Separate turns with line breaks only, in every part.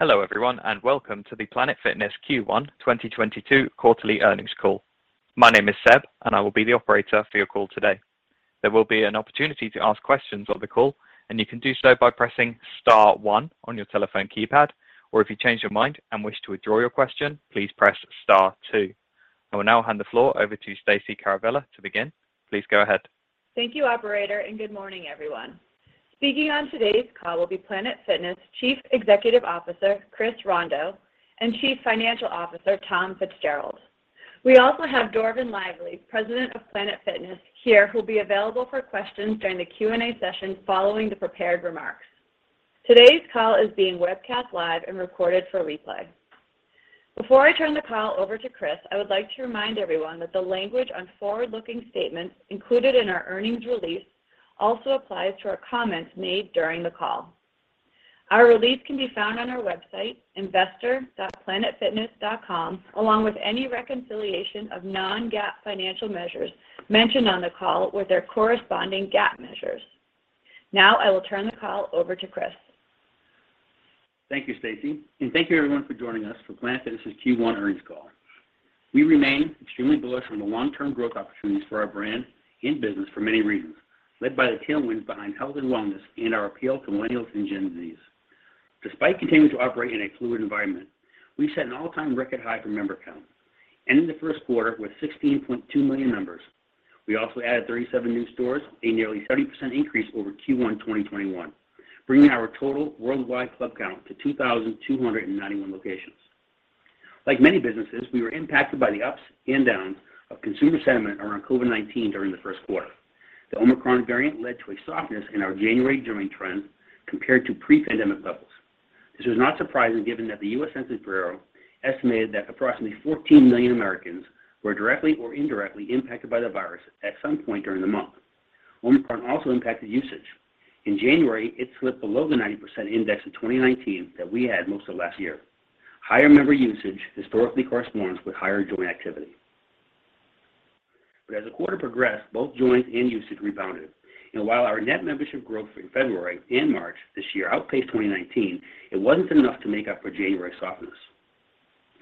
Hello, everyone, and welcome to the Planet Fitness Q1 2022 quarterly earnings call. My name is Seb, and I will be the operator for your call today. There will be an opportunity to ask questions on the call, and you can do so by pressing star one on your telephone keypad, or if you change your mind and wish to withdraw your question, please press star two. I will now hand the floor over to Stacey Caravella to begin. Please go ahead.
Thank you operator, and good morning, everyone. Speaking on today's call will be Planet Fitness Chief Executive Officer, Chris Rondeau, and Chief Financial Officer, Tom Fitzgerald. We also have Dorvin Lively, President of Planet Fitness here, who'll be available for questions during the Q&A session following the prepared remarks. Today's call is being webcast live and recorded for replay. Before I turn the call over to Chris, I would like to remind everyone that the language on forward-looking statements included in our earnings release also applies to our comments made during the call. Our release can be found on our website, investor.planetfitness.com, along with any reconciliation of non-GAAP financial measures mentioned on the call with their corresponding GAAP measures. Now I will turn the call over to Chris.
Thank you, Stacy. Thank you everyone for joining us for Planet Fitness's Q1 earnings call. We remain extremely bullish on the long-term growth opportunities for our brand in business for many reasons, led by the tailwinds behind health and wellness and our appeal to millennials and Gen Z's. Despite continuing to operate in a fluid environment, we've set an all-time record high for member count, ending the first quarter with 16.2 million members. We also added 37 new stores, a nearly 30% increase over Q1 2021, bringing our total worldwide club count to 2,291 locations. Like many businesses, we were impacted by the ups and downs of consumer sentiment around COVID-19 during the first quarter. The Omicron variant led to a softness in our January joining trend compared to pre-pandemic levels. This was not surprising given that the US Census Bureau estimated that approximately 14 million Americans were directly or indirectly impacted by the virus at some point during the month. Omicron also impacted usage. In January, it slipped below the 90% index in 2019 that we had most of last year. Higher member usage historically corresponds with higher join activity. As the quarter progressed, both joins and usage rebounded. While our net membership growth in February and March this year outpaced 2019, it wasn't enough to make up for January's softness.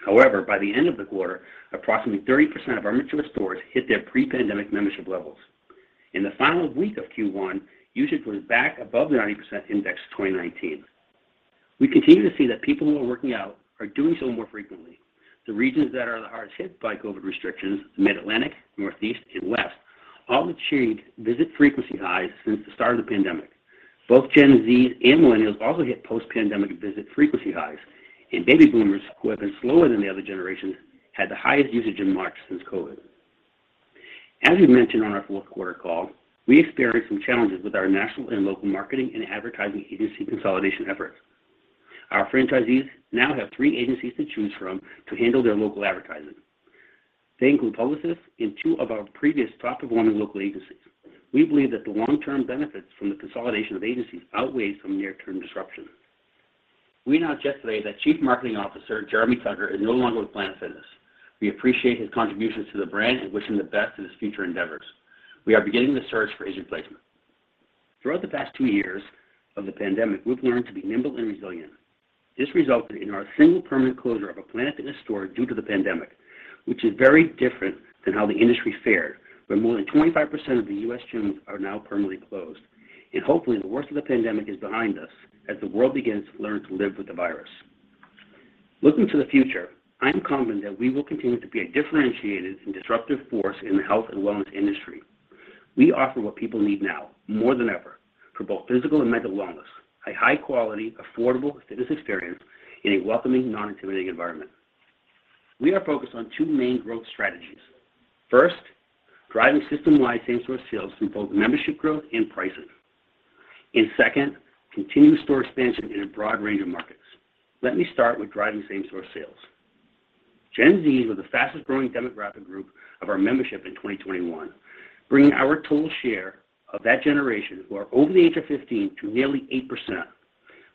However, by the end of the quarter, approximately 30% of our mature stores hit their pre-pandemic membership levels. In the final week of Q1, usage was back above the 90% index of 2019. We continue to see that people who are working out are doing so more frequently. The regions that are the hardest hit by COVID restrictions, the Mid-Atlantic, Northeast, and West, all achieved visit frequency highs since the start of the pandemic. Both Gen Z and millennials also hit post-pandemic visit frequency highs, and baby boomers, who have been slower than the other generations, had the highest usage in March since COVID. As we mentioned on our fourth quarter call, we experienced some challenges with our national and local marketing and advertising agency consolidation efforts. Our franchisees now have three agencies to choose from to handle their local advertising. They include Publicis and two of our previous top performing local agencies. We believe that the long-term benefits from the consolidation of agencies outweighs some near-term disruption. We announced yesterday that Chief Marketing Officer, Jeremy Tucker, is no longer with Planet Fitness. We appreciate his contributions to the brand and wish him the best in his future endeavors. We are beginning the search for his replacement. Throughout the past two years of the pandemic, we've learned to be nimble and resilient. This resulted in our single permanent closure of a Planet Fitness store due to the pandemic, which is very different than how the industry fared, where more than 25% of the U.S. gyms are now permanently closed. Hopefully the worst of the pandemic is behind us as the world begins to learn to live with the virus. Looking to the future, I'm confident that we will continue to be a differentiated and disruptive force in the health and wellness industry. We offer what people need now, more than ever, for both physical and mental wellness, a high-quality, affordable fitness experience in a welcoming, non-intimidating environment. We are focused on two main growth strategies. First, driving system-wide same-store sales through both membership growth and pricing. Second, continued store expansion in a broad range of markets. Let me start with driving same-store sales. Gen Zs were the fastest growing demographic group of our membership in 2021, bringing our total share of that generation who are over the age of 15 to nearly 8%,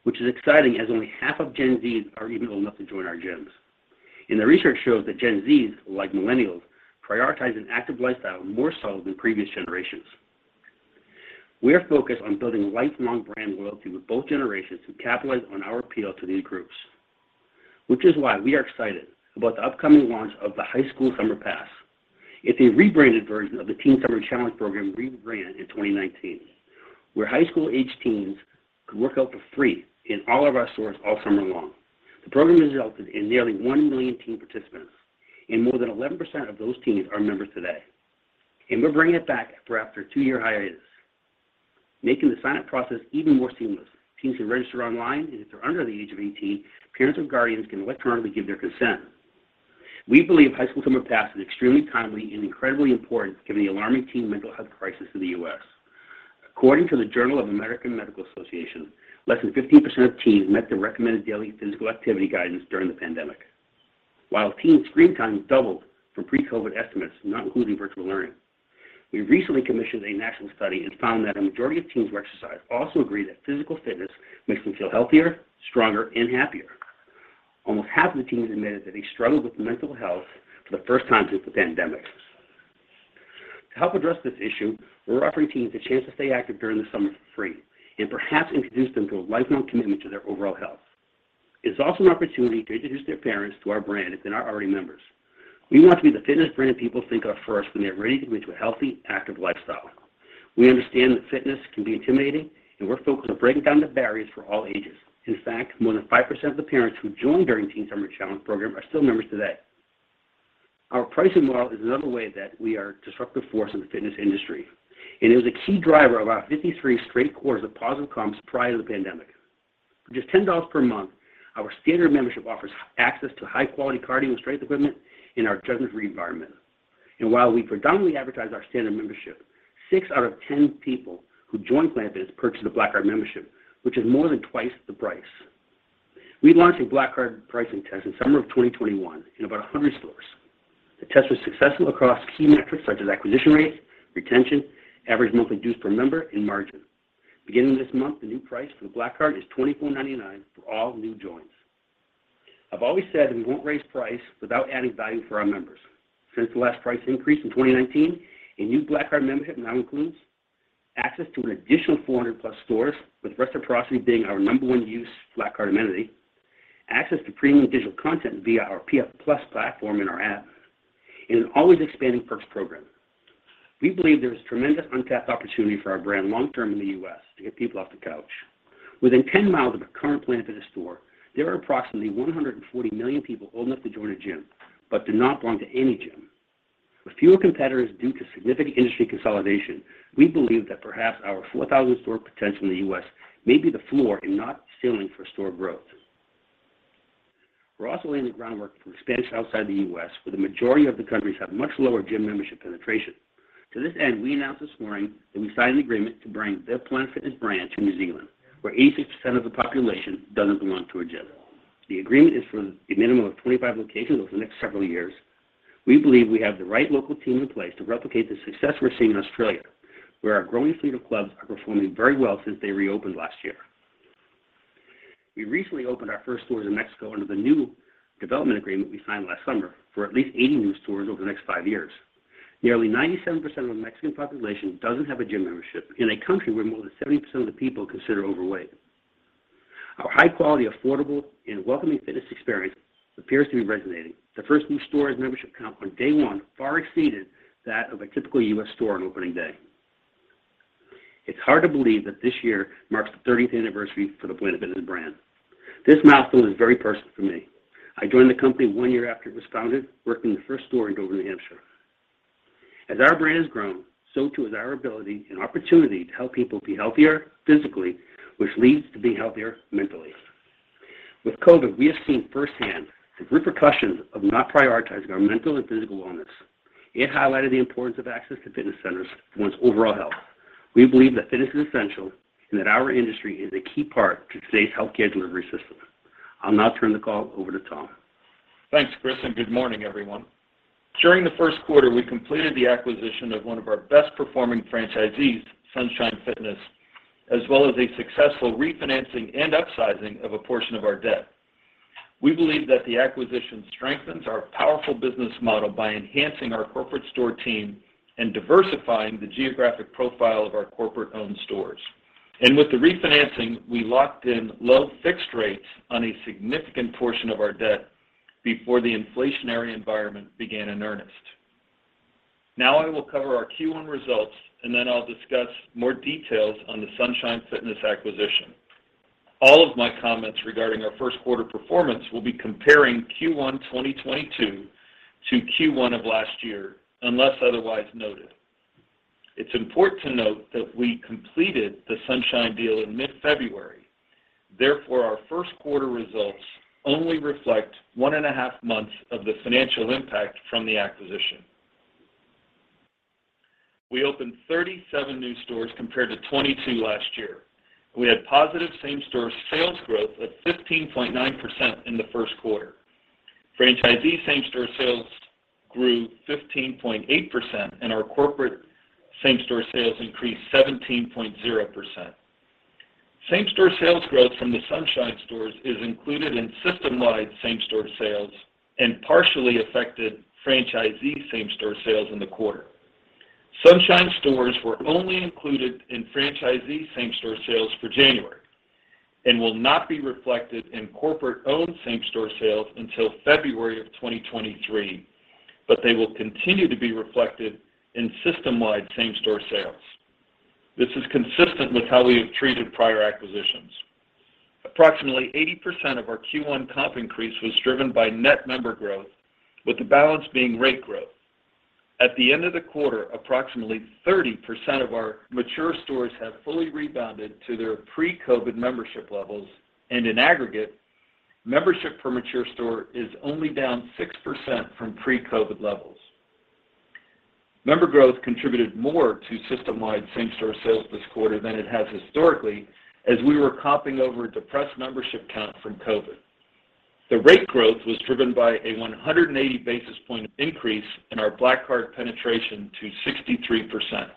which is exciting as only half of Gen Zs are even old enough to join our gyms. The research shows that Gen Zs, like millennials, prioritize an active lifestyle more so than previous generations. We are focused on building lifelong brand loyalty with both generations to capitalize on our appeal to these groups, which is why we are excited about the upcoming launch of the High School Summer Pass. It's a rebranded version of the Teen Summer Challenge program we ran in 2019, where high school-aged teens could work out for free in all of our stores all summer long. The program has resulted in nearly 1 million teen participants, and more than 11% of those teens are members today. We're bringing it back after a 2-year hiatus, making the sign-up process even more seamless. Teens can register online, and if they're under the age of 18, parents or guardians can electronically give their consent. We believe High School Summer Pass is extremely timely and incredibly important given the alarming teen mental health crisis in the U.S. According to the Journal of the American Medical Association, less than 15% of teens met the recommended daily physical activity guidance during the pandemic. While teen screen time doubled from pre-COVID estimates, not including virtual learning. We recently commissioned a national study and found that a majority of teens who exercise also agree that physical fitness makes them feel healthier, stronger, and happier. Almost half of the teens admitted that they struggled with mental health for the first time since the pandemic. To help address this issue, we're offering teens a chance to stay active during the summer for free and perhaps introduce them to a lifelong commitment to their overall health. It's also an opportunity to introduce their parents to our brand if they're not already members. We want to be the fitness brand that people think of first when they're ready to commit to a healthy, active lifestyle. We understand that fitness can be intimidating, and we're focused on breaking down the barriers for all ages. In fact, more than 5% of the parents who joined during Teen Summer Challenge program are still members today. Our pricing model is another way that we are a disruptive force in the fitness industry, and it was a key driver of our 53 straight quarters of positive comps prior to the pandemic. For just $10 per month, our standard membership offers access to high-quality cardio and strength equipment in our judgment-free environment. While we predominantly advertise our standard membership, 6 out of 10 people who join Planet Fitness purchase a Black Card membership, which is more than twice the price. We launched a Black Card pricing test in summer of 2021 in about 100 stores. The test was successful across key metrics such as acquisition rate, retention, average monthly dues per member, and margin. Beginning this month, the new price for the Black Card is $24.99 for all new joins. I've always said that we won't raise price without adding value for our members. Since the last price increase in 2019, a new Black Card membership now includes access to an additional 400+ stores, with reciprocity being our number one used Black Card amenity, access to premium digital content via our PF Plus platform in our app, and an always expanding perks program. We believe there is tremendous untapped opportunity for our brand long-term in the U.S. to get people off the couch. Within 10 miles of a current Planet Fitness store, there are approximately 140 million people old enough to join a gym but do not belong to any gym. With fewer competitors due to significant industry consolidation, we believe that perhaps our 4,000 store potential in the U.S. may be the floor and not the ceiling for store growth. We're also laying the groundwork for expansion outside the U.S., where the majority of the countries have much lower gym membership penetration. To this end, we announced this morning that we signed an agreement to bring the Planet Fitness brand to New Zealand, where 86% of the population doesn't belong to a gym. The agreement is for a minimum of 25 locations over the next several years. We believe we have the right local team in place to replicate the success we're seeing in Australia, where our growing fleet of clubs are performing very well since they reopened last year. We recently opened our first stores in Mexico under the new development agreement we signed last summer for at least 80 new stores over the next 5 years. Nearly 97% of the Mexican population doesn't have a gym membership in a country where more than 70% of the people are considered overweight. Our high-quality, affordable, and welcoming fitness experience appears to be resonating. The first new store's membership count on day one far exceeded that of a typical U.S. store on opening day. It's hard to believe that this year marks the 30th anniversary for the Planet Fitness brand. This milestone is very personal for me. I joined the company 1 year after it was founded, working in the first store in Dover, New Hampshire. As our brand has grown, so too has our ability and opportunity to help people be healthier physically, which leads to being healthier mentally. With COVID, we have seen firsthand the repercussions of not prioritizing our mental and physical wellness. It highlighted the importance of access to fitness centers for one's overall health. We believe that fitness is essential and that our industry is a key part to today's healthcare delivery system. I'll now turn the call over to Tom.
Thanks, Chris, and good morning, everyone. During the first quarter, we completed the acquisition of one of our best-performing franchisees, Sunshine Fitness, as well as a successful refinancing and upsizing of a portion of our debt. We believe that the acquisition strengthens our powerful business model by enhancing our corporate store team and diversifying the geographic profile of our corporate-owned stores. With the refinancing, we locked in low fixed rates on a significant portion of our debt before the inflationary environment began in earnest. Now I will cover our Q1 results, and then I'll discuss more details on the Sunshine Fitness acquisition. All of my comments regarding our first quarter performance will be comparing Q1 2022 to Q1 of last year, unless otherwise noted. It's important to note that we completed the Sunshine deal in mid-February. Therefore, our first quarter results only reflect one and a half months of the financial impact from the acquisition. We opened 37 new stores compared to 22 last year. We had positive same-store sales growth of 15.9% in the first quarter. Franchisee same-store sales grew 15.8%, and our corporate same-store sales increased 17.0%. Same-store sales growth from the Sunshine stores is included in system-wide same-store sales and partially affected franchisee same-store sales in the quarter. Sunshine stores were only included in franchisee same-store sales for January and will not be reflected in corporate-owned same-store sales until February of 2023, but they will continue to be reflected in system-wide same-store sales. This is consistent with how we have treated prior acquisitions. Approximately 80% of our Q1 comp increase was driven by net member growth, with the balance being rate growth. At the end of the quarter, approximately 30% of our mature stores have fully rebounded to their pre-COVID membership levels, and in aggregate, membership per mature store is only down 6% from pre-COVID levels. Member growth contributed more to system-wide same-store sales this quarter than it has historically, as we were comping over depressed membership count from COVID. The rate growth was driven by a 180 basis point increase in our Black Card penetration to 63%.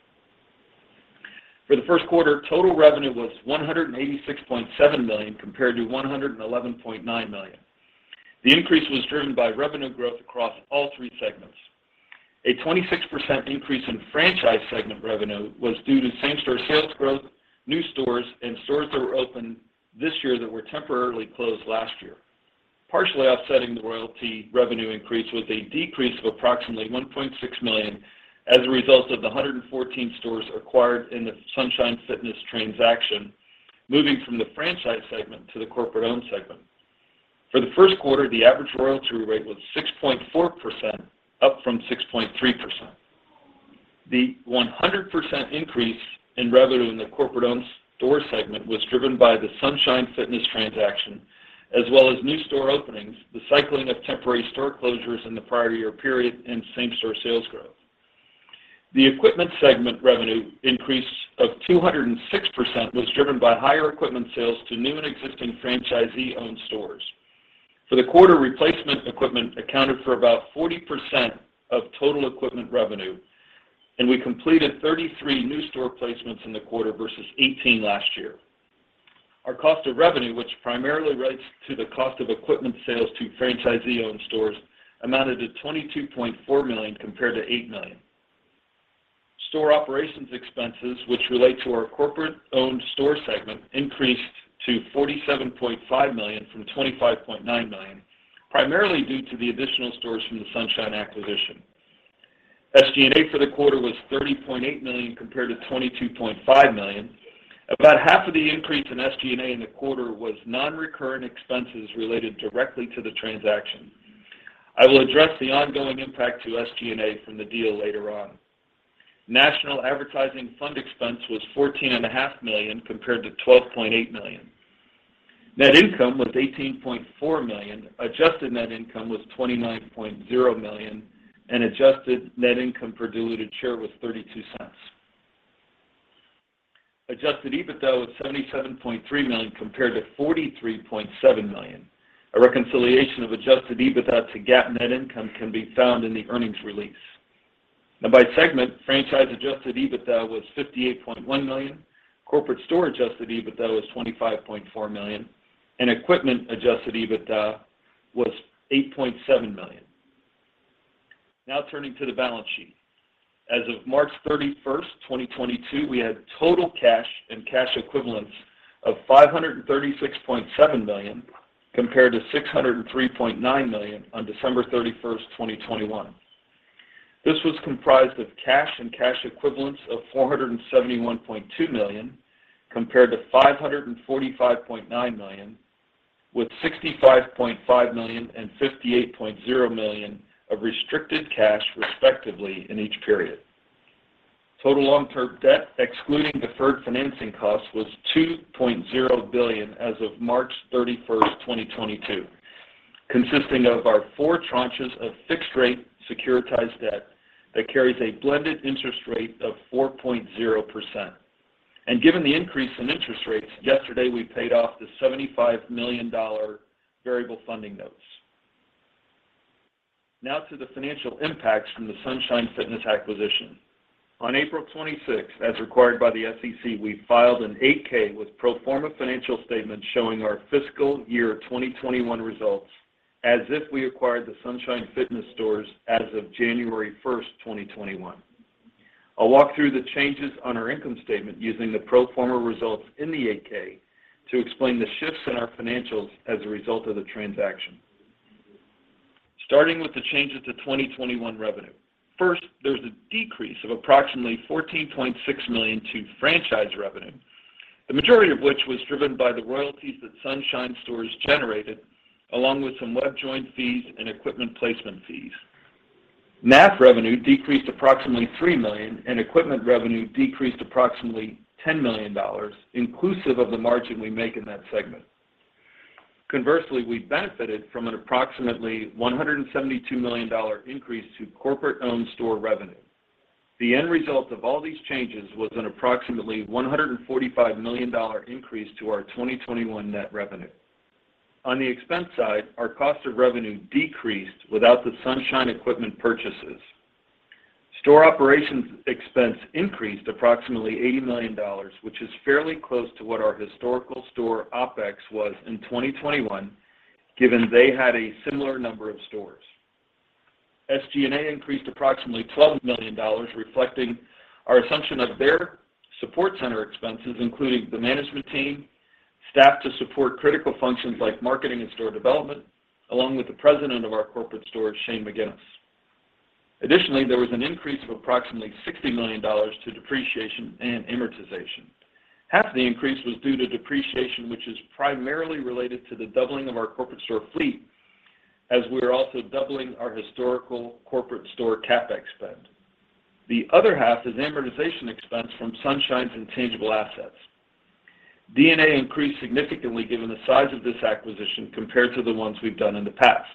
For the first quarter, total revenue was $186.7 million compared to $111.9 million. The increase was driven by revenue growth across all three segments. A 26% increase in franchise segment revenue was due to same-store sales growth, new stores, and stores that were opened this year that were temporarily closed last year. Partially offsetting the royalty revenue increase was a decrease of approximately $1.6 million as a result of the 114 stores acquired in the Sunshine Fitness transaction, moving from the franchise segment to the corporate-owned segment. For the first quarter, the average royalty rate was 6.4%, up from 6.3%. The 100% increase in revenue in the corporate-owned store segment was driven by the Sunshine Fitness transaction as well as new store openings, the cycling of temporary store closures in the prior year period, and same-store sales growth. The equipment segment revenue increase of 206% was driven by higher equipment sales to new and existing franchisee-owned stores. For the quarter, replacement equipment accounted for about 40% of total equipment revenue, and we completed 33 new store placements in the quarter versus 18 last year. Our cost of revenue, which primarily relates to the cost of equipment sales to franchisee-owned stores, amounted to $22.4 million compared to $8 million. Store operations expenses, which relate to our corporate-owned store segment, increased to $47.5 million from $25.9 million, primarily due to the additional stores from the Sunshine acquisition. SG&A for the quarter was $30.8 million compared to $22.5 million. About half of the increase in SG&A in the quarter was non-recurrent expenses related directly to the transaction. I will address the ongoing impact to SG&A from the deal later on. National advertising fund expense was $14.5 million compared to $12.8 million. Net income was $18.4 million, adjusted net income was $29.0 million, and adjusted net income per diluted share was $0.32. Adjusted EBITDA was $77.3 million compared to $43.7 million. A reconciliation of adjusted EBITDA to GAAP net income can be found in the earnings release. Now by segment, franchise adjusted EBITDA was $58.1 million, corporate store adjusted EBITDA was $25.4 million, and equipment adjusted EBITDA was $8.7 million. Now turning to the balance sheet. As of March 31, 2022, we had total cash and cash equivalents of $536.7 million compared to $603.9 million on December 31, 2021. This was comprised of cash and cash equivalents of $471.2 million compared to $545.9 million, with $65.5 million and $58.0 million of restricted cash, respectively, in each period. Total long-term debt, excluding deferred financing costs, was $2.0 billion as of March 31, 2022, consisting of our four tranches of fixed rate securitized debt that carries a blended interest rate of 4.0%. Given the increase in interest rates, yesterday, we paid off the $75 million variable funding notes. Now to the financial impacts from the Sunshine Fitness acquisition. On April 26, as required by the SEC, we filed an 8-K with pro forma financial statements showing our fiscal year 2021 results as if we acquired the Sunshine Fitness stores as of January 1, 2021. I'll walk through the changes on our income statement using the pro forma results in the 8-K to explain the shifts in our financials as a result of the transaction. Starting with the changes to 2021 revenue. First, there's a decrease of approximately $14.6 million to franchise revenue, the majority of which was driven by the royalties that Sunshine stores generated, along with some web join fees and equipment placement fees. NAF revenue decreased approximately $3 million, and equipment revenue decreased approximately $10 million, inclusive of the margin we make in that segment. Conversely, we benefited from an approximately $172 million increase to corporate-owned store revenue. The end result of all these changes was an approximately $145 million increase to our 2021 net revenue. On the expense side, our cost of revenue decreased without the Sunshine equipment purchases. Store operations expense increased approximately $80 million, which is fairly close to what our historical store OpEx was in 2021, given they had a similar number of stores. SG&A increased approximately $12 million, reflecting our assumption of their support center expenses, including the management team, staff to support critical functions like marketing and store development, along with the president of our corporate store, Shane McGuiness. Additionally, there was an increase of approximately $60 million to depreciation and amortization. Half the increase was due to depreciation, which is primarily related to the doubling of our corporate store fleet as we are also doubling our historical corporate store CapEx spend. The other half is amortization expense from Sunshine's intangible assets. D&A increased significantly given the size of this acquisition compared to the ones we've done in the past,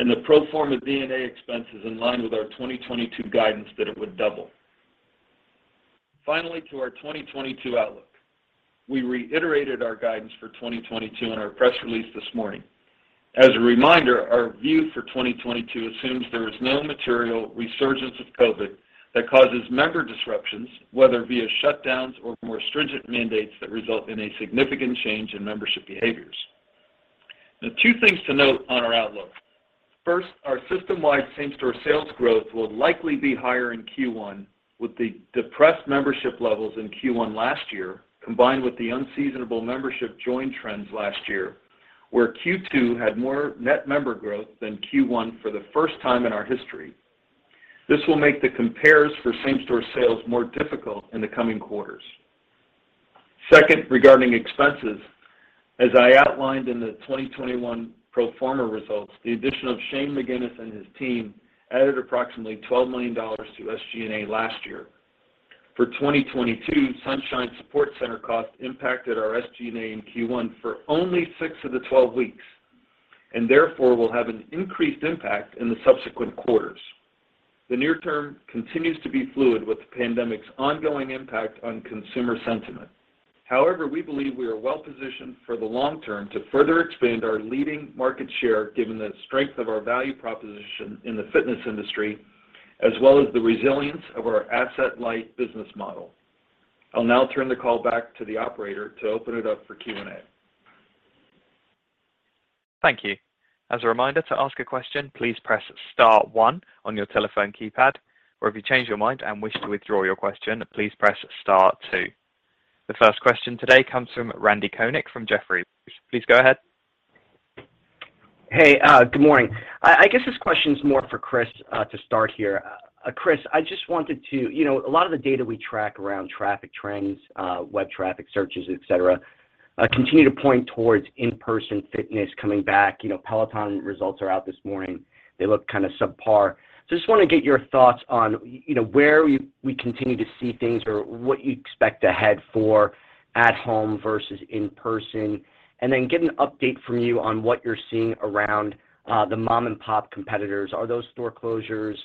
and the pro forma D&A expense is in line with our 2022 guidance that it would double. Finally, to our 2022 outlook.
We reiterated our guidance for 2022 in our press release this morning. As a reminder, our view for 2022 assumes there is no material resurgence of COVID that causes member disruptions, whether via shutdowns or more stringent mandates that result in a significant change in membership behaviors. Now, two things to note on our outlook. First, our system-wide same-store sales growth will likely be higher in Q1 with the depressed membership levels in Q1 last year, combined with the unseasonable membership join trends last year, where Q2 had more net member growth than Q1 for the first time in our history. This will make the compares for same-store sales more difficult in the coming quarters. Second, regarding expenses, as I outlined in the 2021 pro forma results, the addition of Shane McGuiness and his team added approximately $12 million to SG&A last year. For 2022, Sunshine Support Center costs impacted our SG&A in Q1 for only six of the 12 weeks, and therefore will have an increased impact in the subsequent quarters. The near term continues to be fluid with the pandemic's ongoing impact on consumer sentiment. However, we believe we are well-positioned for the long term to further expand our leading market share given the strength of our value proposition in the fitness industry, as well as the resilience of our asset-light business model. I'll now turn the call back to the operator to open it up for Q&A.
Thank you. As a reminder, to ask a question, please press star one on your telephone keypad, or if you change your mind and wish to withdraw your question, please press star two. The first question today comes from Randy Konik from Jefferies. Please go ahead.
Hey, good morning. I guess this question is more for Chris, to start here. Chris, I just wanted to you know, a lot of the data we track around traffic trends, web traffic searches, et cetera, continue to point towards in-person fitness coming back. You know, Peloton results are out this morning. They look kinda subpar. Just wanna get your thoughts on, you know, where we continue to see things or what you expect ahead for at home versus in person. Get an update from you on what you're seeing around, the mom-and-pop competitors. Are those store closures,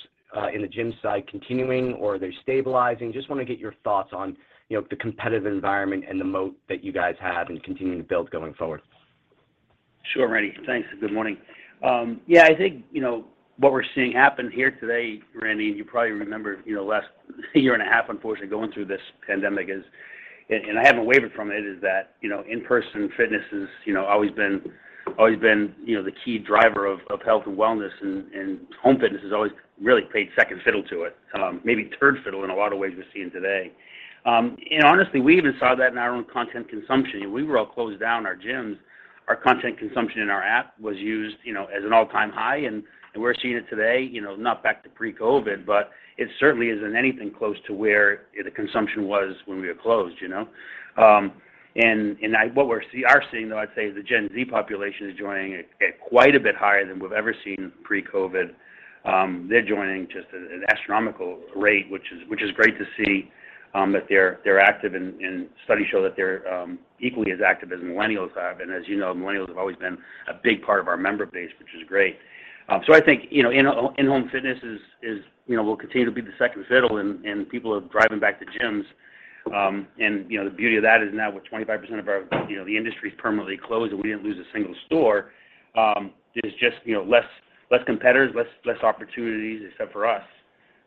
in the gym side continuing or are they stabilizing? Just wanna get your thoughts on, you know, the competitive environment and the moat that you guys have and continue to build going forward.
Sure, Randy. Thanks. Good morning. Yeah, I think, you know, what we're seeing happen here today, Randy, and you probably remember, you know, last year and a half, unfortunately, going through this pandemic is, and I haven't wavered from it, is that, you know, in-person fitness is, you know, always been the key driver of health and wellness and home fitness has always really played second fiddle to it. Maybe third fiddle in a lot of ways we're seeing today. Honestly, we even saw that in our own content consumption. We were all closed down, our gyms, our content consumption in our app was at an all-time high, you know, and we're seeing it today, you know, not back to pre-COVID, but it certainly isn't anything close to where the consumption was when we were closed, you know. What we're seeing, though, I'd say the Gen Z population is joining at quite a bit higher than we've ever seen pre-COVID. They're joining just at an astronomical rate, which is great to see, that they're active and studies show that they're equally as active as millennials have. As you know, millennials have always been a big part of our member base, which is great. I think, you know, in-home fitness is, you know, will continue to be the second fiddle and people are driving back to gyms. You know, the beauty of that is now with 25% of, you know, the industry's permanently closed, and we didn't lose a single store is just, you know, less competitors, less opportunities except for us.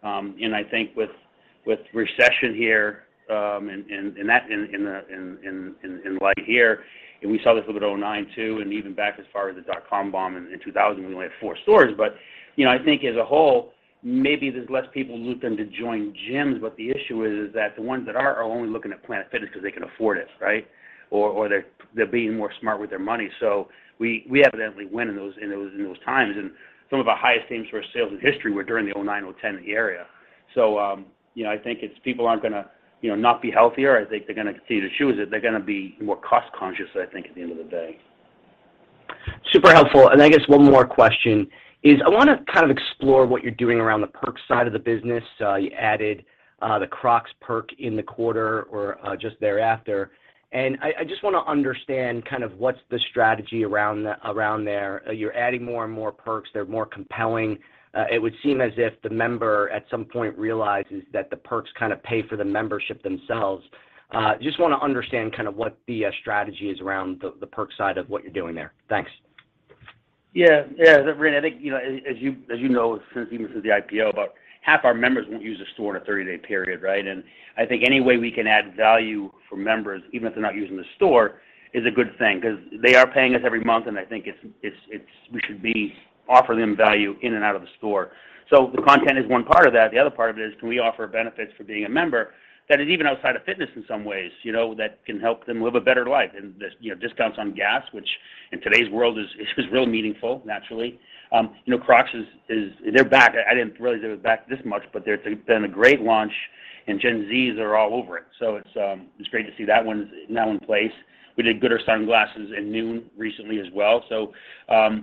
I think with recession here, and that in the light here, and we saw this a little bit in 2009 too, and even back as far as the dot-com bomb in 2000, when we only had four stores. You know, I think as a whole, maybe there's less people looking to join gyms, but the issue is that the ones that are only looking at Planet Fitness because they can afford it, right? Or they're being more smart with their money. So we evidently win in those times. Some of our highest same-store sales in history were during the 2009, 2010 era. You know, I think it's people aren't gonna not be healthier. I think they're gonna continue to choose it. They're gonna be more cost-conscious, I think, at the end of the day.
Super helpful. I guess one more question is I wanna kind of explore what you're doing around the perks side of the business. You added the Crocs perk in the quarter or just thereafter. I just wanna understand kind of what's the strategy around there. You're adding more and more perks. They're more compelling. It would seem as if the member at some point realizes that the perks kinda pay for the membership themselves. Just wanna understand kind of what the strategy is around the perks side of what you're doing there. Thanks.
Yeah. Yeah. Randy, I think, you know, as you know, since the IPO, about half our members won't use a store in a 30-day period, right? I think any way we can add value for members, even if they're not using the store, is a good thing 'cause they are paying us every month, and I think we should be offering them value in and out of the store. The content is one part of that. The other part of it is can we offer benefits for being a member that is even outside of fitness in some ways, you know, that can help them live a better life. This, you know, discounts on gas, which in today's world is real meaningful, naturally. You know, Crocs is, they're back. I didn't realize they were back this much, but there's been a great launch, and Gen Z are all over it. It's great to see that one now in place. We did goodr sunglasses and Noom recently as well. You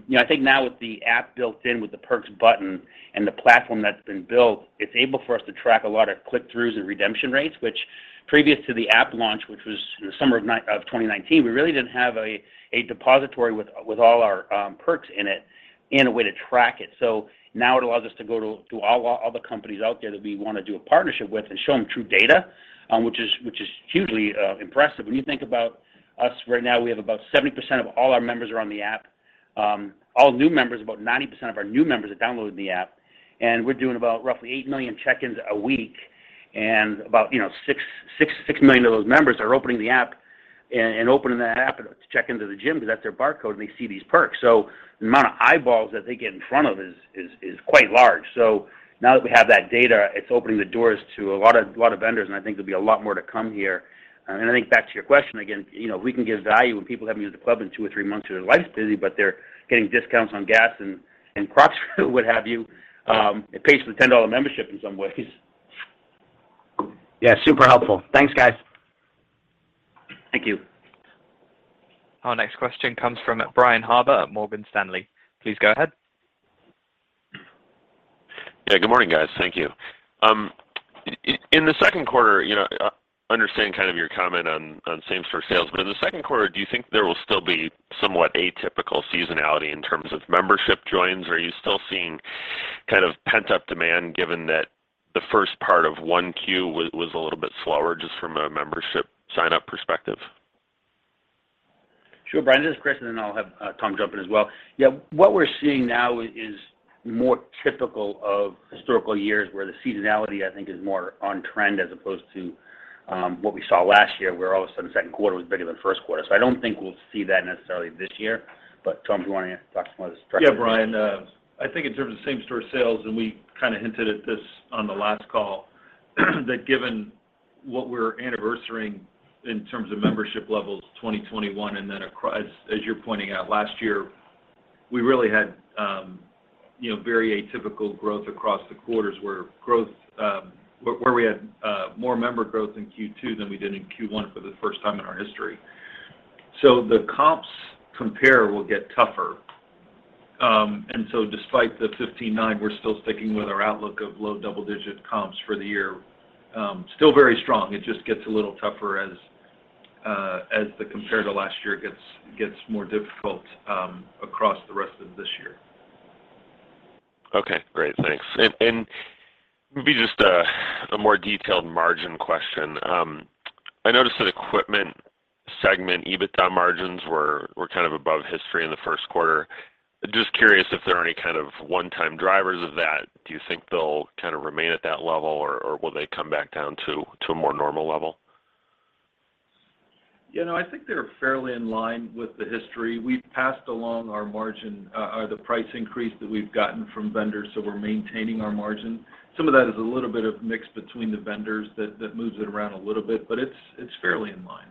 know, I think now with the app built in with the perks button and the platform that's been built, it's able for us to track a lot of click-throughs and redemption rates, which previous to the app launch, which was the summer of 2019, we really didn't have a depository with all our perks in it and a way to track it. Now it allows us to go to all the companies out there that we wanna do a partnership with and show them true data, which is hugely impressive. When you think about us right now, we have about 70% of all our members on the app. All new members, about 90% of our new members are downloading the app, and we're doing about roughly 8 million check-ins a week. About, you know, 6 million of those members are opening the app and opening that app to check into the gym because that's their barcode, and they see these perks. The amount of eyeballs that they get in front of is quite large. Now that we have that data, it's opening the doors to a lot of vendors, and I think there'll be a lot more to come here. I think back to your question again, you know, we can give value when people haven't been to the club in two or three months, their life's busy, but they're getting discounts on gas and Crocs what have you, it pays for the $10 membership in some ways.
Yeah, super helpful. Thanks, guys.
Thank you.
Our next question comes from Brian Harbour at Morgan Stanley. Please go ahead.
Good morning, guys. Thank you. In the second quarter, you know, understanding kind of your comment on same-store sales, but in the second quarter, do you think there will still be somewhat atypical seasonality in terms of membership joins? Are you still seeing kind of pent-up demand given that the first part of 1Q was a little bit slower just from a membership sign-up perspective?
Sure. Brian, this is Chris, and then I'll have Tom jump in as well. Yeah. What we're seeing now is more typical of historical years, where the seasonality, I think, is more on trend as opposed to what we saw last year, where all of a sudden second quarter was bigger than first quarter. I don't think we'll see that necessarily this year. Tom, do you want to talk some more to the structure-
Yeah, Brian, I think in terms of same-store sales, and we kind of hinted at this on the last call, that given what we're anniversarying in terms of membership levels 2021, and then across, as you're pointing out, last year, we really had very atypical growth across the quarters where growth, where we had more member growth in Q2 than we did in Q1 for the first time in our history. The comps will get tougher. Despite the 15.9%, we're still sticking with our outlook of low double-digit comps for the year. Still very strong. It just gets a little tougher as the compare to last year gets more difficult across the rest of this year.
Okay. Great. Thanks. Maybe just a more detailed margin question. I noticed that equipment segment EBITDA margins were kind of above history in the first quarter. Just curious if there are any kind of one-time drivers of that. Do you think they'll kind of remain at that level, or will they come back down to a more normal level?
You know, I think they're fairly in line with the history. We've passed along our margin, or the price increase that we've gotten from vendors, so we're maintaining our margin. Some of that is a little bit of mix between the vendors that moves it around a little bit, but it's fairly in line.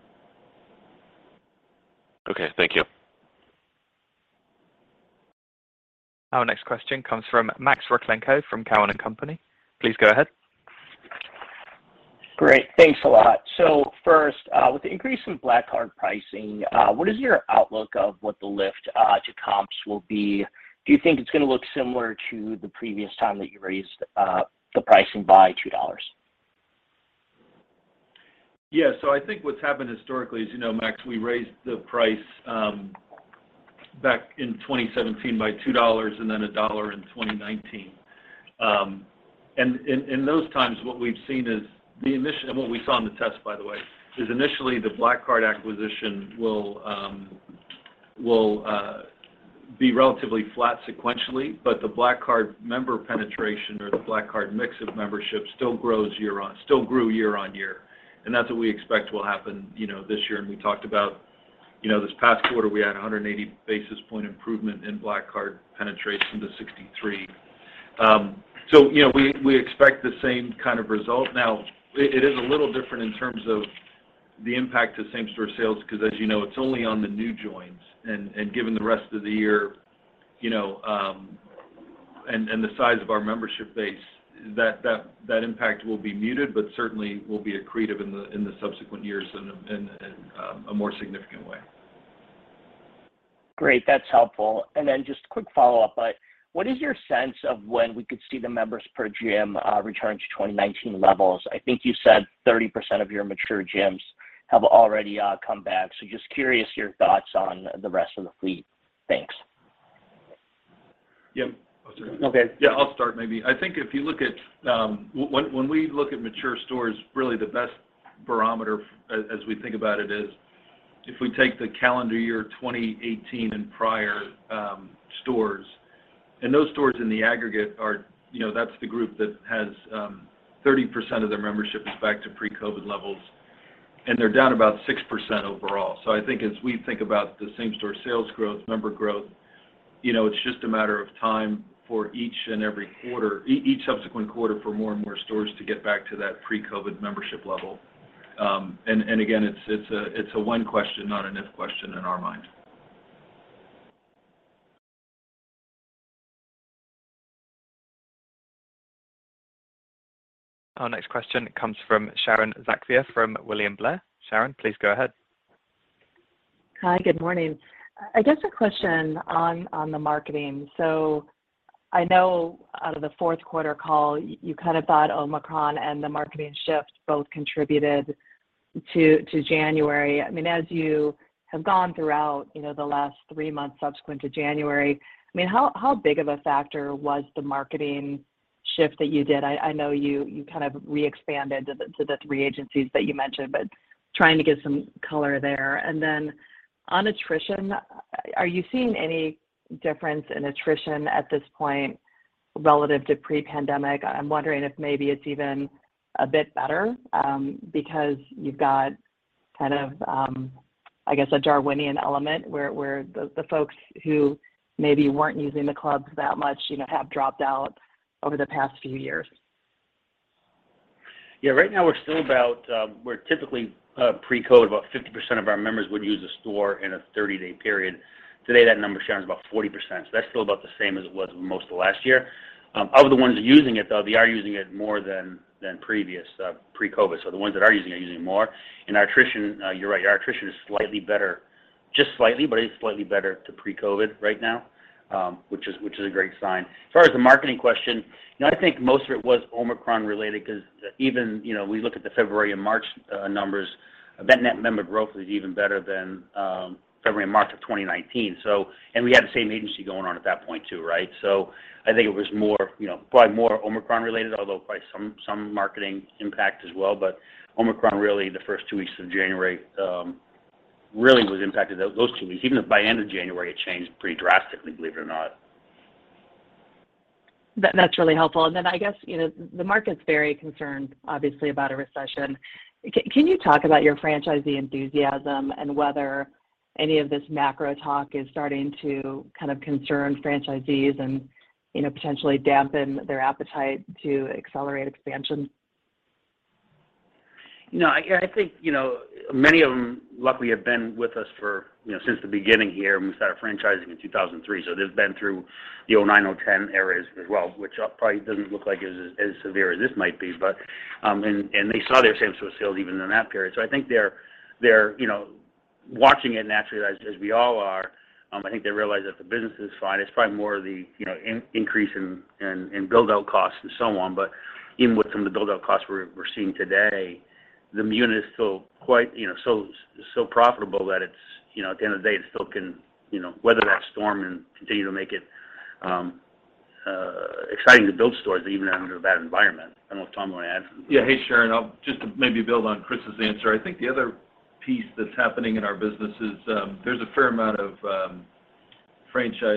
Okay. Thank you.
Our next question comes from Max Rakhlenko from Cowen and Company. Please go ahead.
Great. Thanks a lot. First, with the increase in Black Card pricing, what is your outlook of what the lift to comps will be? Do you think it's gonna look similar to the previous time that you raised the pricing by $2?
Yeah. I think what's happened historically is, you know, Max, we raised the price back in 2017 by $2 and then $1 in 2019. In those times, what we've seen is what we saw in the test, by the way, is initially the Black Card acquisition will be relatively flat sequentially, but the Black Card member penetration or the Black Card mix of membership still grew year-over-year. That's what we expect will happen, you know, this year. We talked about, you know, this past quarter, we had 180 basis point improvement in Black Card penetration to 63. You know, we expect the same kind of result. Now it is a little different in terms of the impact to same-store sales because, as you know, it's only on the new joins. Given the rest of the year, you know, and the size of our membership base, that impact will be muted but certainly will be accretive in the subsequent years in a more significant way.
Great. That's helpful. Just quick follow-up. What is your sense of when we could see the members per gym return to 2019 levels? I think you said 30% of your mature gyms have already come back. Just curious your thoughts on the rest of the fleet. Thanks.
Yeah. I'll start.
Okay.
Yeah, I'll start maybe. I think if you look at when we look at mature stores, really the best barometer as we think about it is if we take the calendar year 2018 and prior stores, and those stores in the aggregate are, you know, that's the group that has 30% of their membership is back to pre-COVID levels, and they're down about 6% overall. I think as we think about the same-store sales growth, member growth, you know, it's just a matter of time for each and every quarter, each subsequent quarter for more and more stores to get back to that pre-COVID membership level. Again, it's a when question, not an if question in our mind.
Our next question comes from Sharon Zackfia from William Blair. Sharon, please go ahead.
Hi. Good morning. I guess a question on the marketing. I know out of the fourth quarter call, you kind of thought Omicron and the marketing shift both contributed to January. I mean, as you have gone throughout, you know, the last three months subsequent to January, I mean, how big of a factor was the marketing?
shift that you did. I know you kind of re-expanded to the three agencies that you mentioned, but trying to get some color there. Then on attrition, are you seeing any difference in attrition at this point relative to pre-pandemic? I'm wondering if maybe it's even a bit better, because you've got kind of, I guess a Darwinian element where the folks who maybe weren't using the clubs that much, you know, have dropped out over the past few years.
Yeah. Right now, we're still about. We're typically pre-COVID, about 50% of our members would use the store in a 30-day period. Today, that number stands about 40%, so that's still about the same as it was most of last year. Of the ones using it, though, they are using it more than previous pre-COVID. The ones that are using are using more. Our attrition, you're right, our attrition is slightly better, just slightly, but it is slightly better than pre-COVID right now, which is a great sign. As far as the marketing question, you know, I think most of it was Omicron related because even, you know, we look at the February and March numbers, net member growth was even better than February and March of 2019. We had the same agency going on at that point, too, right? I think it was more, you know, probably more Omicron related, although probably some marketing impact as well, but Omicron really the first two weeks of January, really was impacted those two weeks. Even by end of January, it changed pretty drastically, believe it or not.
That's really helpful. I guess, you know, the market's very concerned, obviously, about a recession. Can you talk about your franchisee enthusiasm and whether any of this macro talk is starting to kind of concern franchisees and, you know, potentially dampen their appetite to accelerate expansion?
You know, I think, you know, many of them luckily have been with us for, you know, since the beginning here, and we started franchising in 2003. They've been through the 2009, 2010 eras as well, which probably doesn't look like it was as severe as this might be, but and they saw their same store sales even in that period. I think they're, you know, watching it naturally as we all are. I think they realize that the business is fine. It's probably more the, you know, increase in build-out costs and so on. Even with some of the build-out costs we're seeing today, the unit is still quite, you know, so profitable that it's, you know, at the end of the day, it still can, you know, weather that storm and continue to make it exciting to build stores even under a bad environment. I don't know if Tom want to add.
Yeah. Hey, Sharon. I'll just maybe build on Chris' answer. I think the other piece that's happening in our business is there's a fair amount of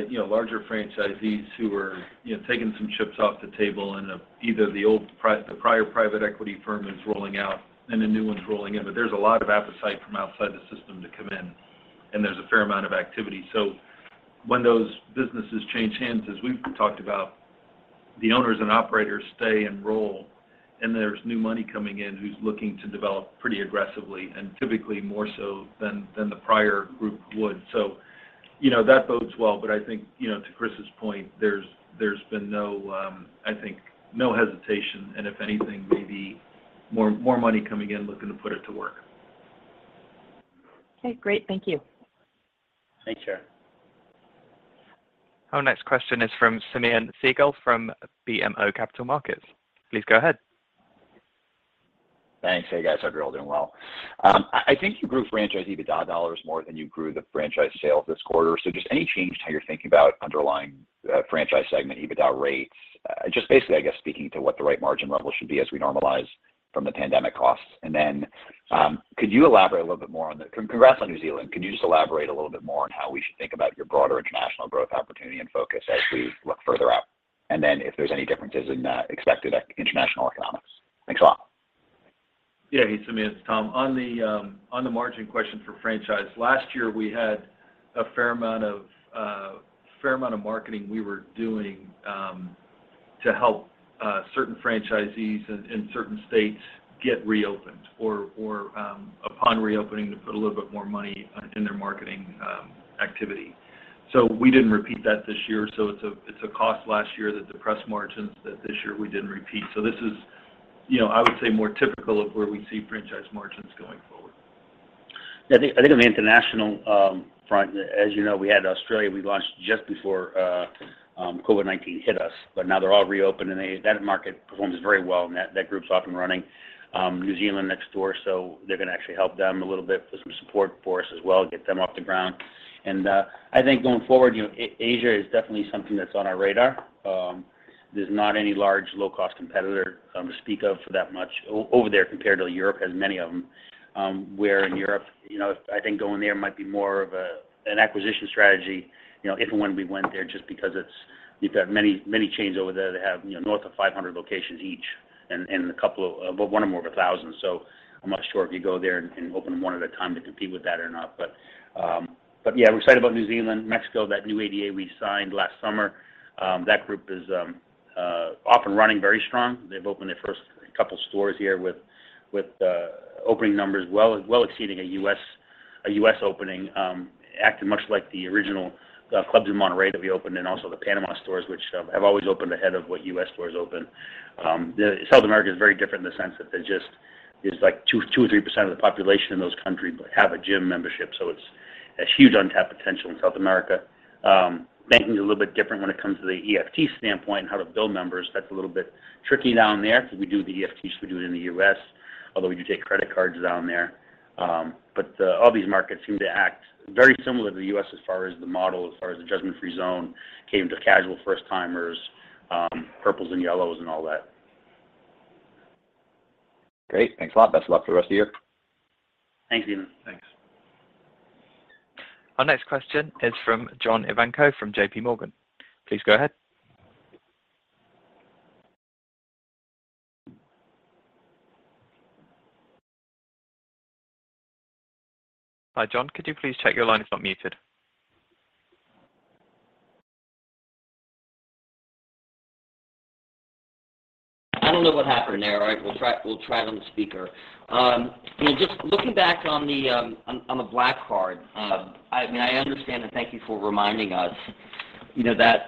you know, larger franchisees who are you know, taking some chips off the table, and either the prior private equity firm is rolling out and a new one's rolling in. There's a lot of appetite from outside the system to come in, and there's a fair amount of activity. When those businesses change hands, as we've talked about, the owners and operators stay and roll, and there's new money coming in who's looking to develop pretty aggressively and typically more so than the prior group would. You know, that bodes well, but I think, you know, to Chris' point, there's been no, I think, no hesitation, and if anything, maybe more money coming in looking to put it to work.
Okay. Great. Thank you.
Thanks, Sharon.
Our next question is from Simeon Siegel from BMO Capital Markets. Please go ahead.
Thanks. Hey, guys. Hope you're all doing well. I think you grew franchise EBITDA dollars more than you grew the franchise sales this quarter, so just any change to how you're thinking about underlying franchise segment EBITDA rates? Just basically, I guess, speaking to what the right margin level should be as we normalize from the pandemic costs. Congrats on New Zealand. Could you just elaborate a little bit more on how we should think about your broader international growth opportunity and focus as we look further out, and then if there's any differences in expected international economics? Thanks a lot.
Yeah. Hey, Simeon, it's Tom. On the margin question for franchise, last year, we had a fair amount of marketing we were doing to help certain franchisees in certain states get reopened or upon reopening to put a little bit more money in their marketing activity. We didn't repeat that this year, so it's a cost last year that depressed margins that this year we didn't repeat. This is, you know, I would say more typical of where we see franchise margins going forward.
Yeah. I think on the international front, as you know, we launched in Australia just before COVID-19 hit us. Now they're all reopened, and that market performs very well, and that group's off and running. New Zealand next door, so they're gonna actually help them a little bit with some support for us as well, get them off the ground. I think going forward, you know, Asia is definitely something that's on our radar. There's not any large low-cost competitor to speak of for that much over there compared to Europe has many of them. Where in Europe, you know, I think going there might be more of an acquisition strategy, you know, if and when we went there just because it's. You've got many chains over there that have, you know, north of 500 locations each and a couple of, well, one or more of 1,000. I'm not sure if you go there and open them one at a time to compete with that or not. Yeah, we're excited about New Zealand. Mexico, that new ADA we signed last summer, that group is off and running very strong. They've opened their first couple stores here with opening numbers well exceeding a U.S. opening, acting much like the original clubs in Monterrey that we opened and also the Panama stores, which have always opened ahead of what U.S. stores open. South America is very different in the sense that there just is, like, 2% or 3% of the population in those countries have a gym membership, so it's a huge untapped potential in South America. Banking's a little bit different when it comes to the EFT standpoint and how to build members. That's a little bit tricky down there because we do the EFTs, we do it in the U.S. Although we do take credit cards down there. But all these markets seem to act very similar to the U.S. as far as the model, as far as the Judgment Free Zone, catering to casual first-timers, purples and yellows and all that.
Great. Thanks a lot. Best of luck for the rest of the year.
Thanks, Simeon.
Thanks.
Our next question is from John Ivankoe from JPMorgan. Please go ahead. Hi, John. Could you please check your line is not muted.
I don't know what happened there, all right. We'll try it on speaker. You know, just looking back on the Black Card, I mean, I understand, and thank you for reminding us, you know, that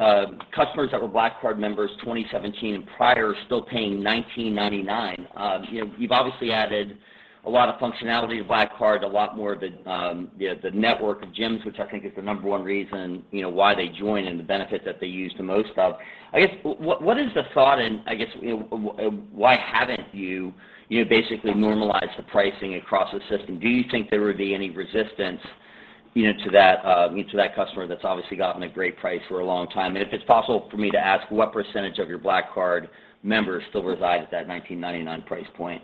customers that were Black Card members 2017 and prior are still paying $19.99. You know, you've obviously added a lot of functionality to Black Card, a lot more of the network of gyms, which I think is the number one reason, you know, why they join and the benefit that they use the most of. I guess, what is the thought and, I guess, you know, why haven't you know, basically normalized the pricing across the system? Do you think there would be any resistance, you know, to that, you know, to that customer that's obviously gotten a great price for a long time? If it's possible for me to ask, what percentage of your Black Card members still reside at that $19.99 price point?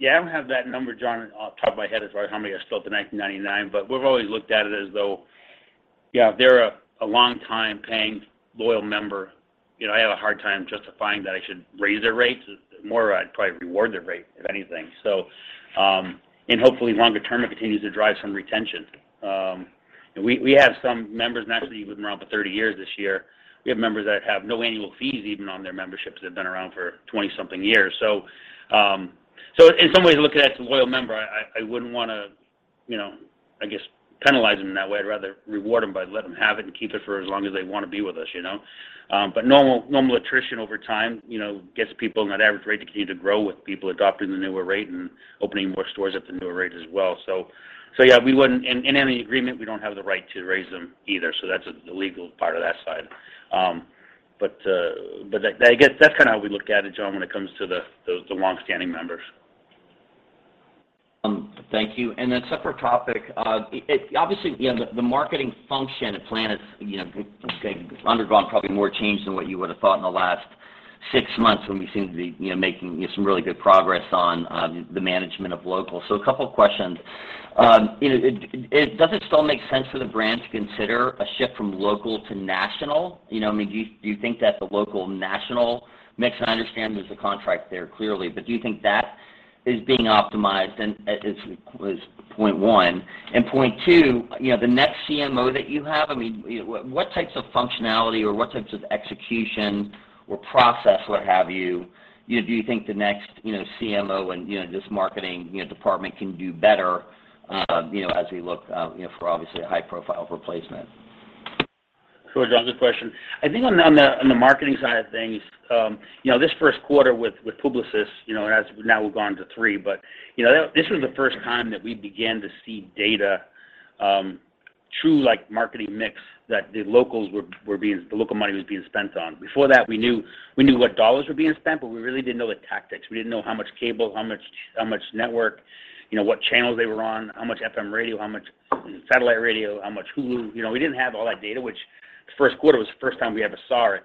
Yeah, I don't have that number, John, off the top of my head as far as how many are still at the $19.99, but we've always looked at it as though, yeah, if they're a long-time paying loyal member, you know, I have a hard time justifying that I should raise their rates. More, I'd probably reward their rate if anything. Hopefully longer-term, it continues to drive some retention. We have some members naturally who've been around for 30 years this year. We have members that have no annual fees even on their memberships that have been around for 20-something years. In some ways, looking at it as a loyal member, I wouldn't wanna, you know, I guess, penalize them in that way. I'd rather reward them by letting them have it and keep it for as long as they wanna be with us, you know? Normal attrition over time, you know, gets people and that average rate continue to grow with people adopting the newer rate and opening more stores at the newer rate as well. In any agreement, we don't have the right to raise them either, so that's the legal part of that side. That, I guess that's kinda how we look at it, John, when it comes to the long-standing members.
Thank you. Separate topic. Obviously, you know, the marketing function at Planet Fitness, you know, I'll say, undergone probably more change than what you would have thought in the last 6 months when we seem to be, you know, making, you know, some really good progress on the management of local. A couple of questions. You know, does it still make sense for the brand to consider a shift from local to national? You know, I mean, do you think that the local national mix, and I understand there's a contract there clearly, but do you think that is being optimized and is point one. Point two, you know, the next CMO that you have, I mean, you know, what types of functionality or what types of execution or process, what have you know, do you think the next, you know, CMO and, you know, this marketing, you know, department can do better, you know, as we look, you know, for obviously a high-profile replacement?
Sure, John, good question. I think on the marketing side of things, you know, this first quarter with Publicis, you know, as now we've gone to three, but you know, that this was the first time that we began to see data, true like marketing mix that the local money was being spent on. Before that, we knew what dollars were being spent, but we really didn't know the tactics. We didn't know how much cable, how much network, you know, what channels they were on, how much FM radio, how much satellite radio, how much Hulu. You know, we didn't have all that data, which the first quarter was the first time we ever saw it.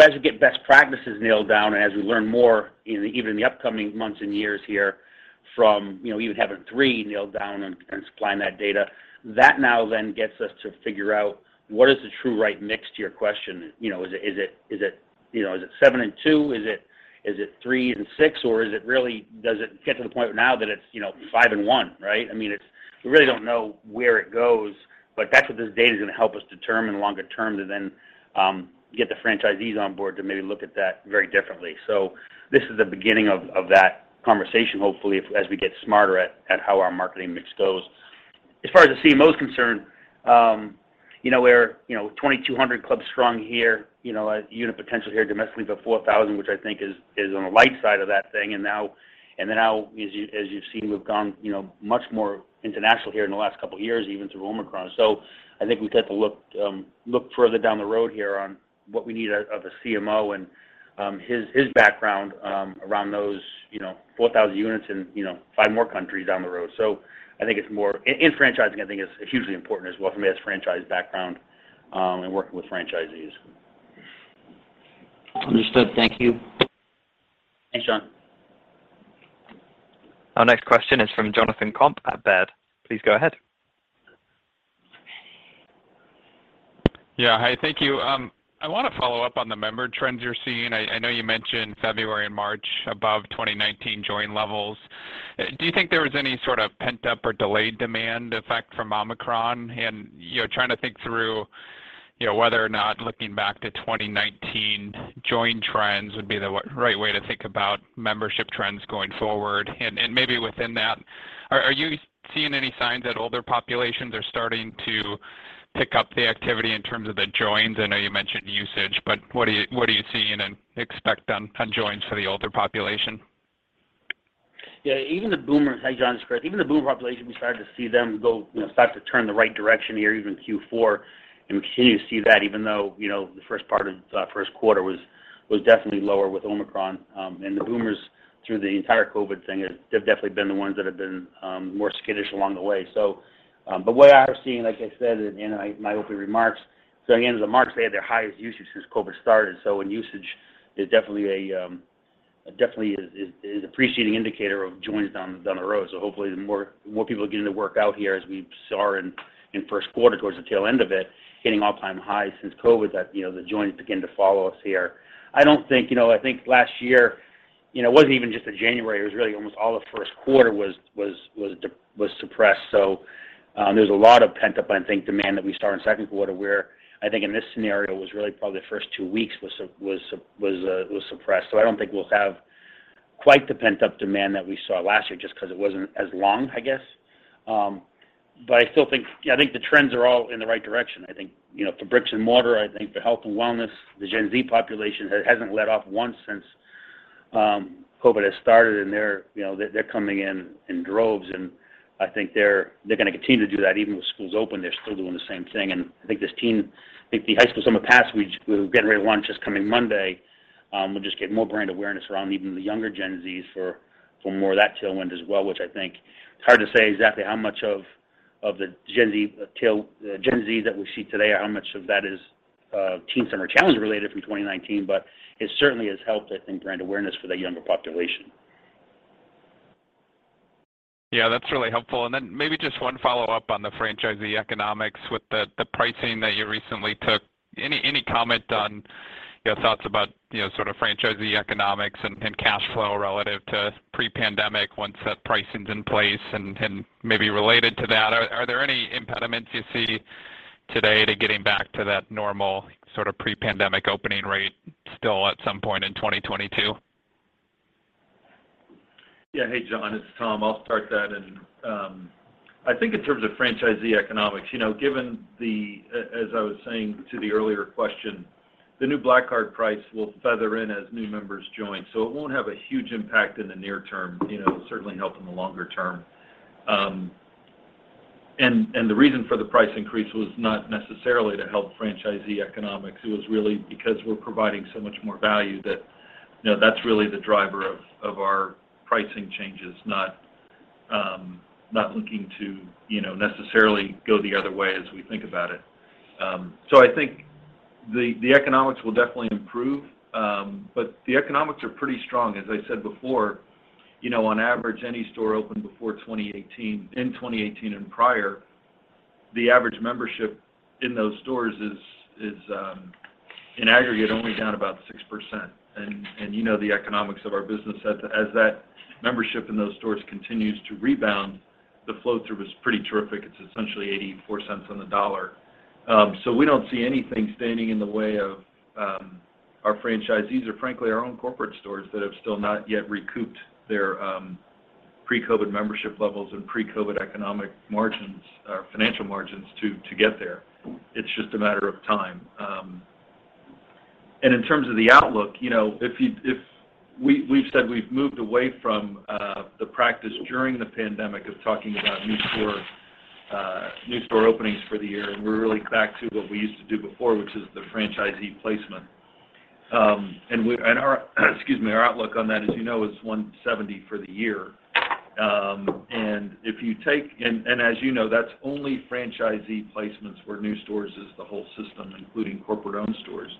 As we get best practices nailed down and as we learn more in even the upcoming months and years here from, you know, even having 3 nailed down and supplying that data, that now then gets us to figure out what is the true right mix to your question. You know, is it seven and two? Is it three and six? Or is it really, does it get to the point now that it's, you know, five and one, right? I mean, we really don't know where it goes, but that's what this data is gonna help us determine longer term to then get the franchisees on board to maybe look at that very differently. This is the beginning of that conversation, hopefully, if as we get smarter at how our marketing mix goes. As far as the CMO is concerned, you know, we're you know 2,200 clubs strong here, you know, a unit potential here domestically, about 4,000, which I think is on the light side of that thing. Now as you've seen, we've gone you know much more international here in the last couple of years, even through Omicron. I think we'd have to look further down the road here on what we need out of a CMO and his background around those you know 4,000 units in you know five more countries down the road. I think it's more in franchising. I think it's hugely important as well for me, his franchise background, and working with franchisees.
Understood. Thank you. Thanks, John.
Our next question is from Jonathan Komp at Baird. Please go ahead.
Yeah. Hi, thank you. I wanna follow up on the member trends you're seeing. I know you mentioned February and March above 2019 join levels. Do you think there was any sort of pent-up or delayed demand effect from Omicron? You know, trying to think through, you know, whether or not looking back to 2019 join trends would be the right way to think about membership trends going forward. And maybe within that, are you seeing any signs that older populations are starting to pick up the activity in terms of the joins? I know you mentioned usage, but what are you seeing and expect on joins for the older population?
Even the boomers. Hey, John, this is Chris. Even the boomer population, we started to see them go, you know, start to turn the right direction here, even Q4, and we continue to see that even though, you know, the first part of the first quarter was definitely lower with Omicron. The boomers through the entire COVID thing have definitely been the ones that have been more skittish along the way. But what I was seeing, like I said in my opening remarks, again, the members had their highest usage since COVID started. When usage is definitely a leading indicator of joins down the road. Hopefully the more people getting to work out here as we saw in first quarter towards the tail end of it, hitting all-time highs since COVID that, you know, the joins begin to follow us here. I don't think, you know, I think last year, you know, it wasn't even just the January, it was really almost all the first quarter was suppressed. There's a lot of pent-up, I think, demand that we saw in the second quarter where I think in this scenario was really probably the first two weeks was suppressed. I don't think we'll have quite the pent-up demand that we saw last year just because it wasn't as long, I guess. But I still think the trends are all in the right direction. I think, you know, for brick and mortar, I think for health and wellness, the Gen Z population hasn't let off once since COVID has started, and they're, you know, they're coming in in droves, and I think they're gonna continue to do that. Even with schools open, they're still doing the same thing. I think the High School Summer Pass, we're getting ready to launch this coming Monday, will just get more brand awareness around even the younger Gen Zs for more of that tailwind as well, which I think it's hard to say exactly how much of the Gen Z that we see today or how much of that is, Teen Summer Challenge related from 2019, but it certainly has helped, I think, brand awareness for the younger population.
Yeah, that's really helpful. Maybe just one follow-up on the franchisee economics with the pricing that you recently took. Any comment on your thoughts about, you know, sort of franchisee economics and cash flow relative to pre-pandemic once that pricing's in place? Maybe related to that, are there any impediments you see today to getting back to that normal sort of pre-pandemic opening rate still at some point in 2022?
Yeah. Hey, John, it's Tom. I'll start that. I think in terms of franchisee economics, you know, given the as I was saying to the earlier question, the new Black Card price will phase in as new members join. It won't have a huge impact in the near term, you know. It'll certainly help in the longer term. And the reason for the price increase was not necessarily to help franchisee economics. It was really because we're providing so much more value that, you know, that's really the driver of our pricing changes, not looking to, you know, necessarily go the other way as we think about it. I think the economics will definitely improve, but the economics are pretty strong. As I said before, you know, on average, any store opened before 2018, in 2018 and prior, the average membership in those stores is in aggregate only down about 6%. You know the economics of our business. As that membership in those stores continues to rebound, the flow-through is pretty terrific. It's essentially 84 cents on the dollar. So we don't see anything standing in the way of our franchisees or frankly our own corporate stores that have still not yet recouped their pre-COVID membership levels and pre-COVID economic margins or financial margins to get there. It's just a matter of time. In terms of the outlook, you know, if We've said we've moved away from the practice during the pandemic of talking about new store openings for the year, and we're really back to what we used to do before, which is the franchisee placement. Our outlook on that, as you know, is 170 for the year. As you know, that's only franchisee placements, where new stores is the whole system, including corporate-owned stores.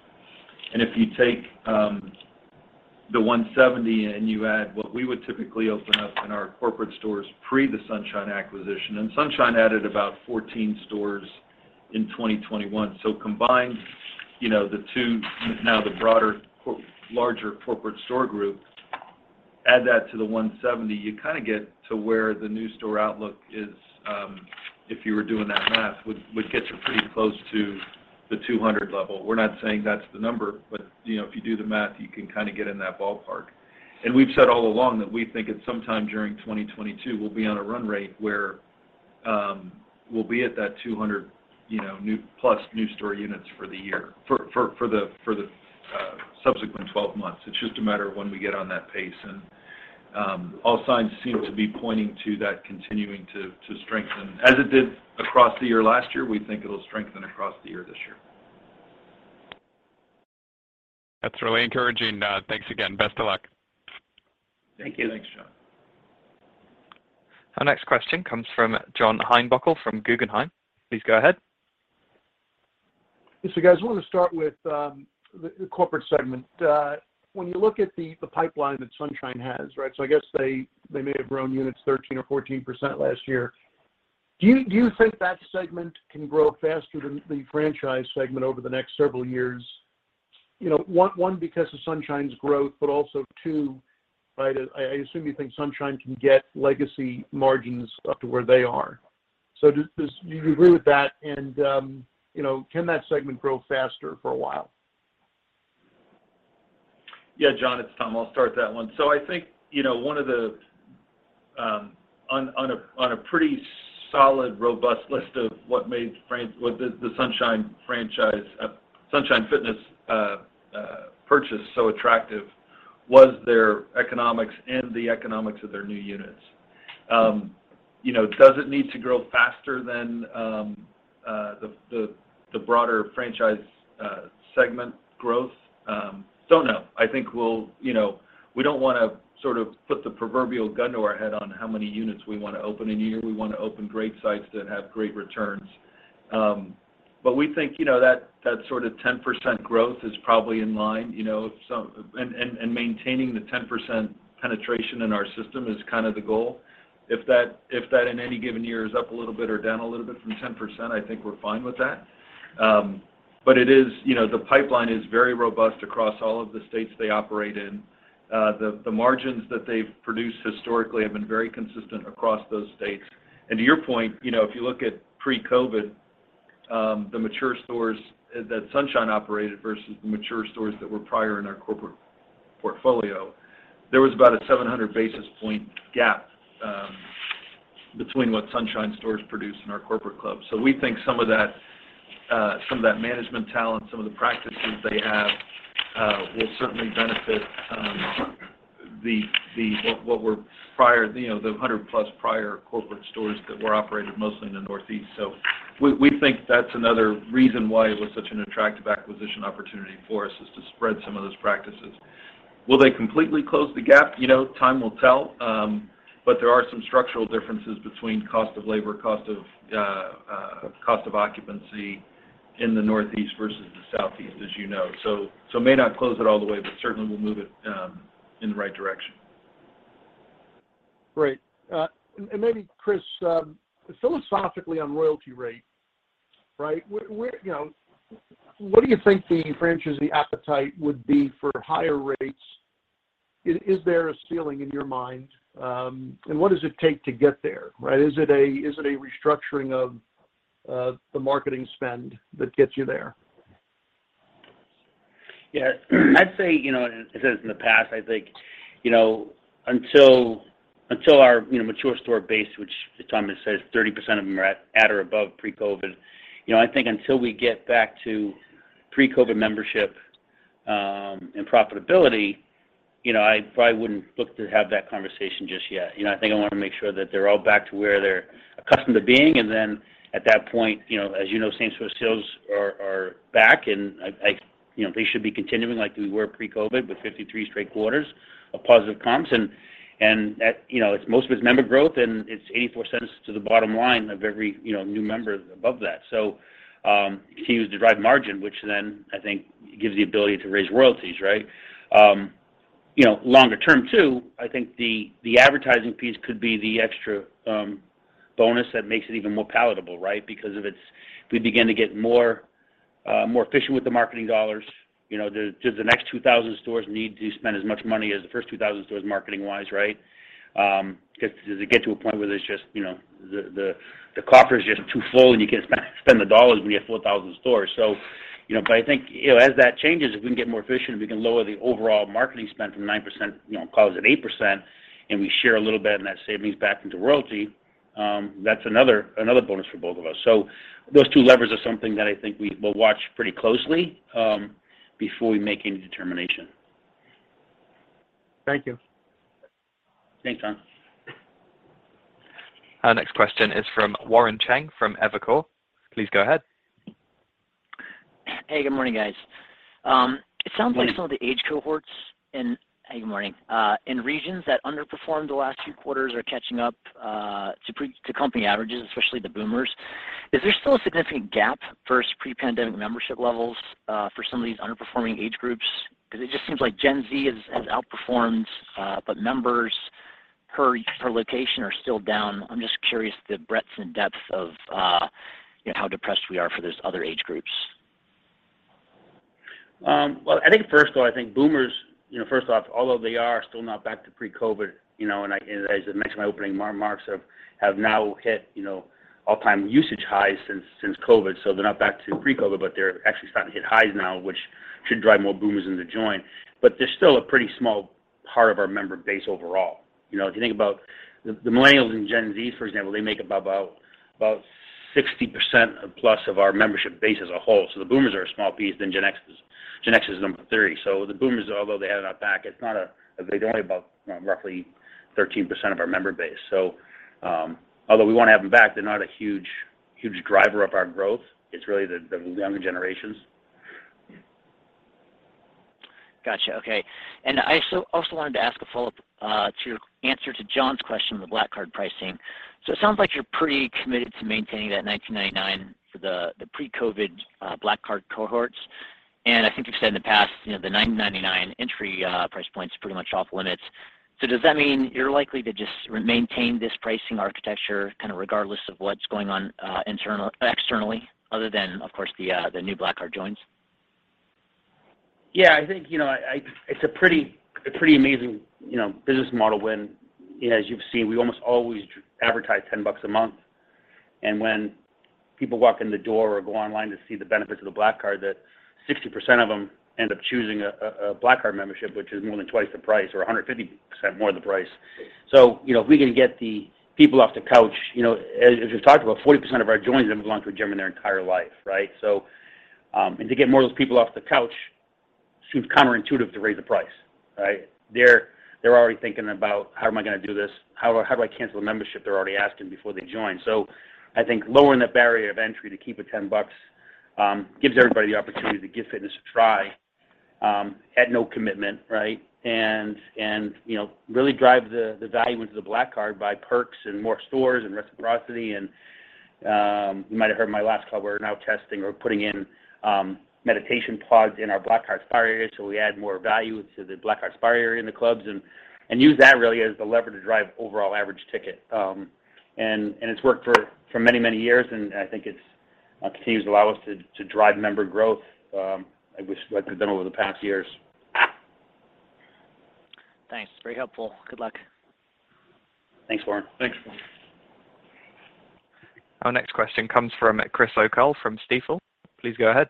If you take the 170 and you add what we would typically open up in our corporate stores pre the Sunshine acquisition, Sunshine added about 14 stores in 2021. Combined, you know, the two, now the broader larger corporate store group, add that to the 170, you kind of get to where the new store outlook is, if you were doing that math would get you pretty close to the 200 level. We're not saying that's the number, but, you know, if you do the math, you can kind of get in that ballpark. We've said all along that we think at some time during 2022 we'll be on a run rate where, we'll be at that 200, you know, plus new store units for the year, for the subsequent twelve months. It's just a matter of when we get on that pace, and, all signs seem to be pointing to that continuing to strengthen. As it did across the year last year, we think it'll strengthen across the year this year.
That's really encouraging. Thanks again. Best of luck.
Thank you.
Thanks, John.
Our next question comes from John Heinbockel from Guggenheim. Please go ahead.
Yes, guys, I wanted to start with the corporate segment. When you look at the pipeline that Sunshine has, right? I guess they may have grown units 13% or 14% last year. Do you think that segment can grow faster than the franchise segment over the next several years? You know, one because of Sunshine's growth, but also two, right, I assume you think Sunshine can get legacy margins up to where they are. Do you agree with that? You know, can that segment grow faster for a while?
Yeah, John, it's Tom. I'll start that one. I think, you know, one of the on a pretty solid, robust list of what the Sunshine franchise, Sunshine Fitness purchase so attractive was their economics and the economics of their new units. You know, does it need to grow faster than the broader franchise segment growth? Don't know. I think we'll. You know, we don't wanna sort of put the proverbial gun to our head on how many units we wanna open in a year. We wanna open great sites that have great returns. We think, you know, that sort of 10% growth is probably in line. You know, some and maintaining the 10% penetration in our system is kind of the goal. If that in any given year is up a little bit or down a little bit from 10%, I think we're fine with that. It is. You know, the pipeline is very robust across all of the states they operate in. The margins that they've produced historically have been very consistent across those states. To your point, you know, if you look at pre-COVID, the mature stores that Sunshine operated versus the mature stores that were prior in our corporate portfolio, there was about a 700 basis point gap between what Sunshine stores produce and our corporate clubs. We think some of that management talent, some of the practices they have, will certainly benefit the prior. You know, the 100-plus prior corporate stores that were operated mostly in the Northeast. We think that's another reason why it was such an attractive acquisition opportunity for us, is to spread some of those practices. Will they completely close the gap? You know, time will tell. There are some structural differences between cost of labor, cost of occupancy in the Northeast versus the Southeast, as you know. May not close it all the way, but certainly will move it in the right direction.
Great. Maybe Chris, philosophically on royalty rate, right? Where, you know, what do you think the franchisee appetite would be for higher rates? Is there a ceiling in your mind? What does it take to get there, right? Is it a restructuring of the marketing spend that gets you there?
Yeah. I'd say, you know, as I said this in the past, I think, you know, until our, you know, mature store base, which as Tom says, 30% of them are at or above pre-COVID. You know, I think until we get back to pre-COVID membership and profitability, you know, I probably wouldn't look to have that conversation just yet. You know, I think I wanna make sure that they're all back to where they're accustomed to being, and then at that point, you know, as you know, same-store sales are back. You know, they should be continuing like we were pre-COVID with 53 straight quarters of positive comps. That, you know, it's most of it's member growth, and it's $0.84 to the bottom line of every, you know, new member above that. Continues to drive margin, which then I think gives the ability to raise royalties, right? You know, longer term too, I think the advertising piece could be the extra bonus that makes it even more palatable, right? Because if we begin to get more efficient with the marketing dollars, you know, do the next 2,000 stores need to spend as much money as the first 2,000 stores marketing-wise, right? Because does it get to a point where it's just, you know, the coffers just too full, and you can't spend the dollars when you have 4,000 stores. You know, but I think, you know, as that changes, if we can get more efficient, we can lower the overall marketing spend from 9%, you know, call it 8%, and we share a little bit in that savings back into royalty, that's another bonus for both of us. Those two levers are something that I think we will watch pretty closely, before we make any determination.
Thank you.
Thanks, John.
Our next question is from Warren Cheng from Evercore. Please go ahead.
Hey, good morning, guys.
Good morning.
Some of the age cohorts in regions that underperformed the last two quarters are catching up to pre-company averages, especially the boomers. Is there still a significant gap versus pre-pandemic membership levels for some of these underperforming age groups? It just seems like Gen Z has outperformed, but members per location are still down. I'm just curious the breadths and depths of, you know, how depressed we are for those other age groups.
Well, I think first of all, boomers, you know, first off, although they are still not back to pre-COVID, you know, and as I mentioned in my opening remarks have now hit, you know, all-time usage highs since COVID. They're not back to pre-COVID, but they're actually starting to hit highs now, which should drive more boomers in the joint. But they're still a pretty small part of our member base overall. You know, if you think about the millennials and Gen Z, for example, they make up about 60% plus of our membership base as a whole. The boomers are a small piece, then Gen X is number three. The boomers, although they haven't got back, they're only about, you know, roughly 13% of our member base. Although we wanna have them back, they're not a huge driver of our growth. It's really the younger generations.
Gotcha. Okay. I also wanted to ask a follow-up to your answer to John's question on the Black Card pricing. It sounds like you're pretty committed to maintaining that $19.99 for the pre-COVID Black Card cohorts. I think you've said in the past, you know, the $9.99 entry price point's pretty much off limits. Does that mean you're likely to just maintain this pricing architecture kind of regardless of what's going on internally or externally, other than, of course, the new Black Card joins?
Yeah, I think, you know, it's a pretty amazing, you know, business model when, as you've seen, we almost always advertise $10 a month. When people walk in the door or go online to see the benefits of the Black Card, 60% of them end up choosing a Black Card membership, which is more than twice the price or 150% more than price. You know, if we can get the people off the couch, you know, as we've talked about, 40% of our joins have never gone to a gym in their entire life, right? To get more of those people off the couch seems counterintuitive to raise the price, right? They're already thinking about, "How am I gonna do this? How do I cancel a membership?" They're already asking before they join. I think lowering the barrier of entry to keep it $10 gives everybody the opportunity to give fitness a try, at no commitment, right? You know, really drive the value into the Black Card by perks and more stores and reciprocity. You might have heard in my last call, we're now testing or putting in meditation pods in our Black Card spa area, so we add more value to the Black Card spa area in the clubs and use that really as the lever to drive overall average ticket. It's worked for many years, and I think it continues to allow us to drive member growth, like we've done over the past years.
Thanks. Very helpful. Good luck.
Thanks, Warren.
Thanks.
Our next question comes from Chris O'Cull from Stifel. Please go ahead.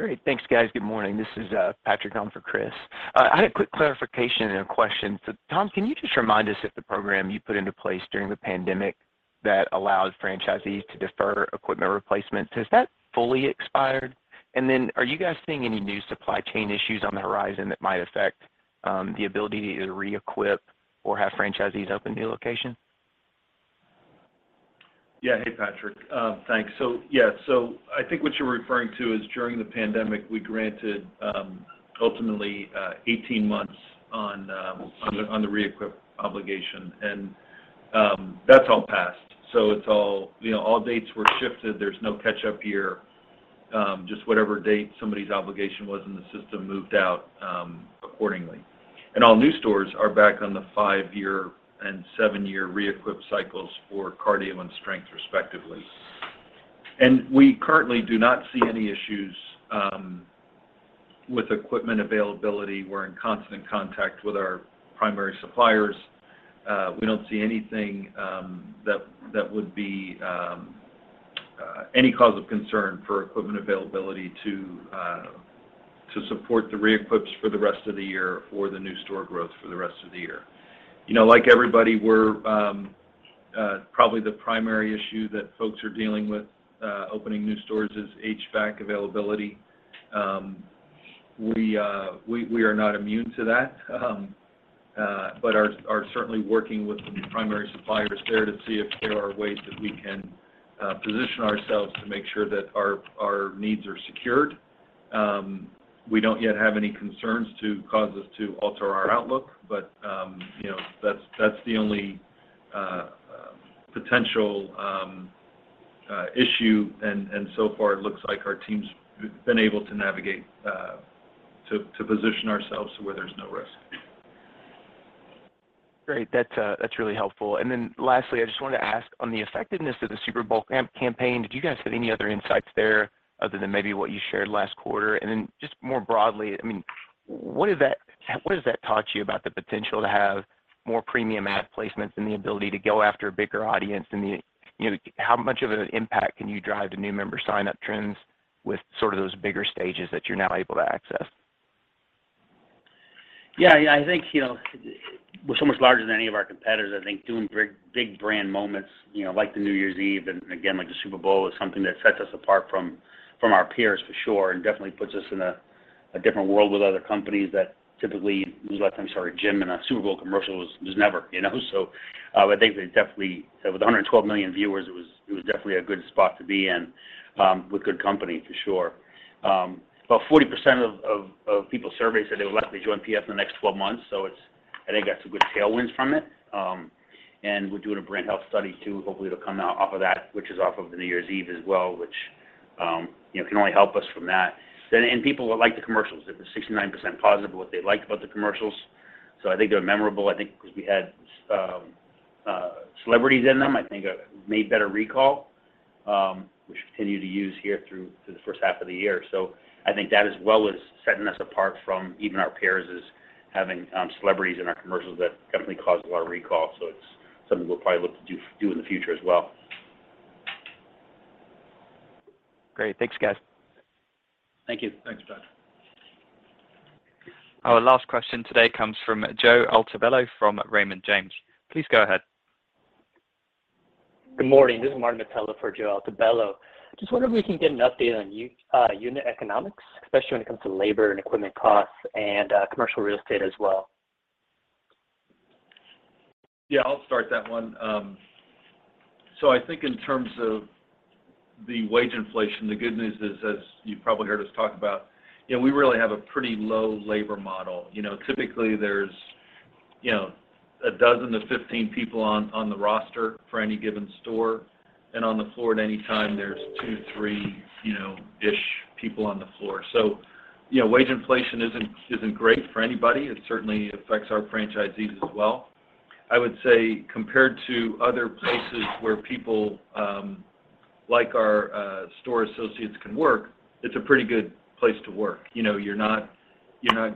Great. Thanks, guys. Good morning. This is Patrick on for Chris. I had a quick clarification and a question. Tom, can you just remind us if the program you put into place during the pandemic that allows franchisees to defer equipment replacements has fully expired? Are you guys seeing any new supply chain issues on the horizon that might affect the ability to re-equip or have franchisees open new locations?
Yeah. Hey, Patrick. Thanks. Yeah. I think what you're referring to is during the pandemic, we granted, ultimately, 18 months on the re-equip obligation, and that's all passed, so it's all you know, all dates were shifted. There's no catch-up year. Just whatever date somebody's obligation was in the system moved out accordingly. All new stores are back on the 5-year and 7-year re-equip cycles for cardio and strength respectively. We currently do not see any issues with equipment availability. We're in constant contact with our primary suppliers. We don't see anything that would be any cause of concern for equipment availability to support the re-equips for the rest of the year or the new store growth for the rest of the year. You know, like everybody, we're probably the primary issue that folks are dealing with opening new stores is HVAC availability. We are not immune to that, but are certainly working with the primary suppliers there to see if there are ways that we can position ourselves to make sure that our needs are secured. We don't yet have any concerns to cause us to alter our outlook, but you know, that's the only potential issue and so far looks like our team's been able to navigate to position ourselves to where there's no risk.
Great. That's really helpful. Lastly, I just wanted to ask on the effectiveness of the Super Bowl campaign, did you guys have any other insights there other than maybe what you shared last quarter? Just more broadly, I mean, what does that teach you about the potential to have more premium ad placements and the ability to go after a bigger audience and the, you know, how much of an impact can you drive to new member sign-up trends with sort of those bigger stages that you're now able to access?
Yeah. Yeah. I think, you know, we're so much larger than any of our competitors. I think doing big brand moments, you know, like the New Year's Eve and again, like the Super Bowl is something that sets us apart from our peers for sure, and definitely puts us in a different world with other companies that typically lose like, I'm sorry, a gym in a Super Bowl commercial was never, you know? I think they definitely said with 112 million viewers, it was definitely a good spot to be in, with good company for sure. About 40% of people surveyed said they would likely join PF in the next 12 months, so it's, I think got some good tailwinds from it. We're doing a brand health study too. Hopefully, it'll come out off of that, which is off of the New Year's Eve as well, which, you know, can only help us from that. People would like the commercials. It was 69% positive what they liked about the commercials, so I think they're memorable. I think 'cause we had celebrities in them, I think made better recall, which we continue to use here through to the first half of the year. I think that as well is setting us apart from even our peers is having celebrities in our commercials that definitely caused a lot of recall. It's something we'll probably look to do in the future as well.
Great. Thanks, guys.
Thank you.
Thanks, Patrick.
Our last question today comes from Joe Altobello from Raymond James. Please go ahead.
Good morning. This is Martin Mitela for Joe Altobello. Just wonder if we can get an update on unit economics, especially when it comes to labor and equipment costs and commercial real estate as well?
Yeah, I'll start that one. I think in terms of the wage inflation, the good news is, as you probably heard us talk about, we really have a pretty low labor model. Typically there's 12 to 15 people on the roster for any given store, and on the floor at any time, there's two, three ish people on the floor. Wage inflation isn't great for anybody. It certainly affects our franchisees as well. I would say compared to other places where people like our store associates can work, it's a pretty good place to work. You're not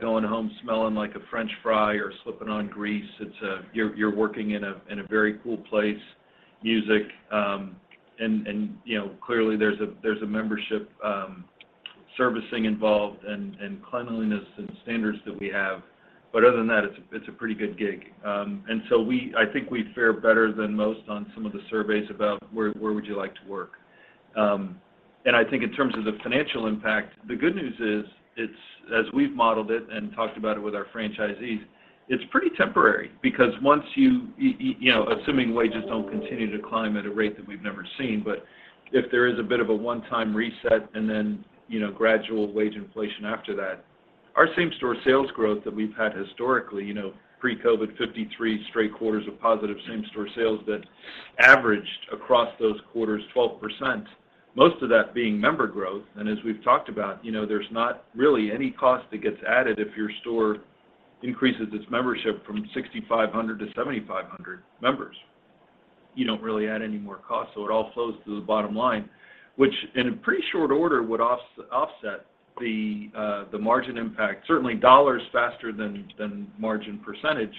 going home smelling like a French fry or slipping on grease. It's you're working in a very cool place, music, and you know, clearly there's a membership servicing involved and cleanliness and standards that we have, but other than that, it's a pretty good gig. I think we fare better than most on some of the surveys about where would you like to work. I think in terms of the financial impact, the good news is it's, as we've modeled it and talked about it with our franchisees, it's pretty temporary because once you you know, assuming wages don't continue to climb at a rate that we've never seen, but if there is a bit of a one-time reset and then, you know, gradual wage inflation after that, our same-store sales growth that we've had historically, you know, pre-COVID, 53 straight quarters of positive same-store sales that averaged across those quarters 12%, most of that being member growth. As we've talked about, you know, there's not really any cost that gets added if your store increases its membership from 6,500 to 7,500 members. You don't really add any more cost, so it all flows to the bottom line, which in a pretty short order would offset the margin impact, certainly dollars faster than margin percentage,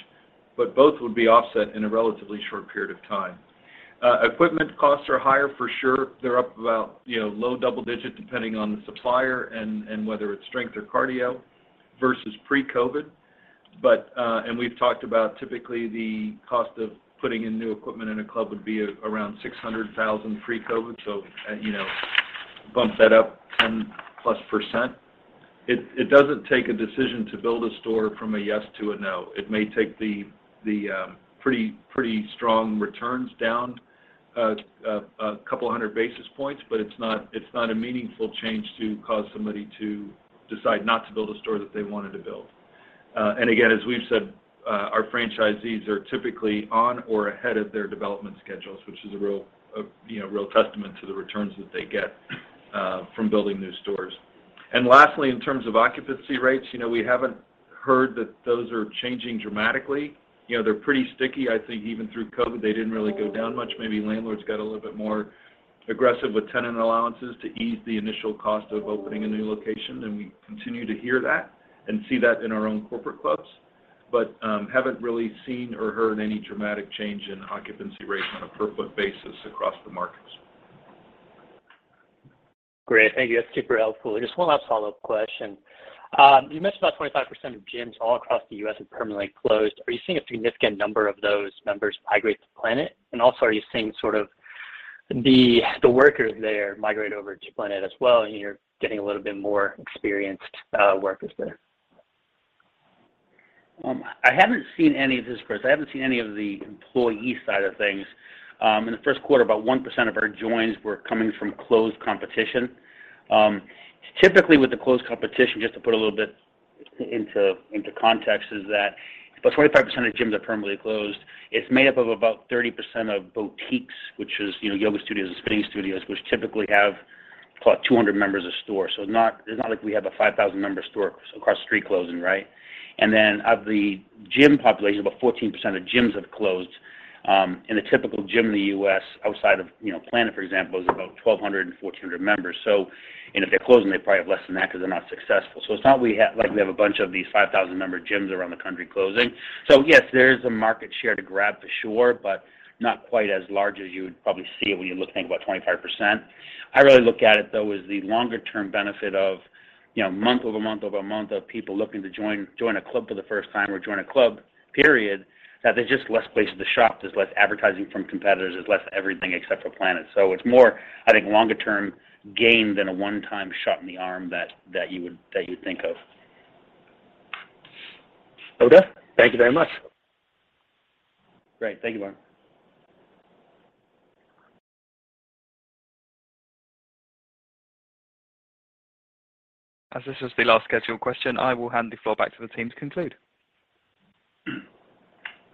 but both would be offset in a relatively short period of time. Equipment costs are higher for sure. They're up about, you know, low double-digit depending on the supplier and whether it's strength or cardio versus pre-COVID. We've talked about typically the cost of putting in new equipment in a club would be around $600,000 pre-COVID, so, you know, bump that up 10%+. It doesn't take a decision to build a store from a yes to a no. It may take the pretty strong returns down a couple hundred basis points, but it's not a meaningful change to cause somebody to decide not to build a store that they wanted to build. Again, as we've said, our franchisees are typically on or ahead of their development schedules, which is a real, you know, real testament to the returns that they get from building new stores. Lastly, in terms of occupancy rates, you know, we haven't heard that those are changing dramatically. You know, they're pretty sticky. I think even through COVID, they didn't really go down much. Maybe landlords got a little bit more aggressive with tenant allowances to ease the initial cost of opening a new location, and we continue to hear that and see that in our own corporate clubs. haven't really seen or heard any dramatic change in occupancy rates on a per foot basis across the markets.
Great. Thank you. That's super helpful. Just one last follow-up question. You mentioned about 25% of gyms all across the U.S. have permanently closed. Are you seeing a significant number of those members migrate to Planet? And also, are you seeing sort of the workers there migrate over to Planet as well, and you're getting a little bit more experienced workers there?
I haven't seen any of this, Chris. I haven't seen any of the employee side of things. In the first quarter, about 1% of our joins were coming from closed competition. Typically with the closed competition, just to put a little bit into context, about 25% of gyms are permanently closed. It's made up of about 30% of boutiques, which is, you know, yoga studios and spinning studios, which typically have 200 members a store. It's not like we have a 5,000-member store across the street closing, right? Of the gym population, about 14% of gyms have closed. In a typical gym in the U.S. outside of, you know, Planet, for example, is about 1,200 and 1,400 members. If they're closing, they probably have less than that because they're not successful. It's not like we have a bunch of these 5,000-member gyms around the country closing. Yes, there is a market share to grab for sure, but not quite as large as you would probably see when you're looking at about 25%. I really look at it, though, as the longer-term benefit of, you know, month-over-month over month of people looking to join a club for the first time or join a club period, that there's just less places to shop, there's less advertising from competitors, there's less everything except for Planet. It's more, I think, longer-term gain than a one-time shot in the arm that you would think of.
Okay. Thank you very much.
Great. Thank you, Martin Mitela.
As this is the last scheduled question, I will hand the floor back to the team to conclude.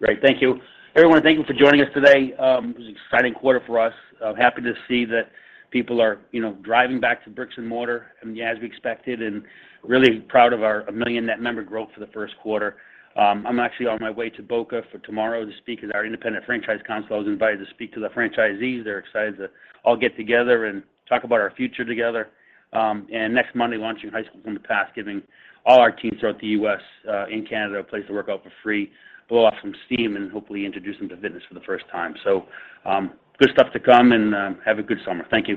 Great. Thank you. Everyone, thank you for joining us today. It was an exciting quarter for us. I'm happy to see that people are, you know, driving back to bricks and mortar and as we expected, and really proud of our 1 million net member growth for the first quarter. I'm actually on my way to Boca for tomorrow to speak at our independent franchise council. I was invited to speak to the franchisees. They're excited to all get together and talk about our future together. Next Monday, launching High School Summer Pass, giving all our teens throughout the U.S., in Canada a place to work out for free, blow off some steam, and hopefully introduce them to fitness for the first time. Good stuff to come, have a good summer. Thank you.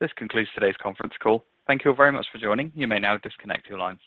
This concludes today's conference call. Thank you very much for joining. You may now disconnect your lines.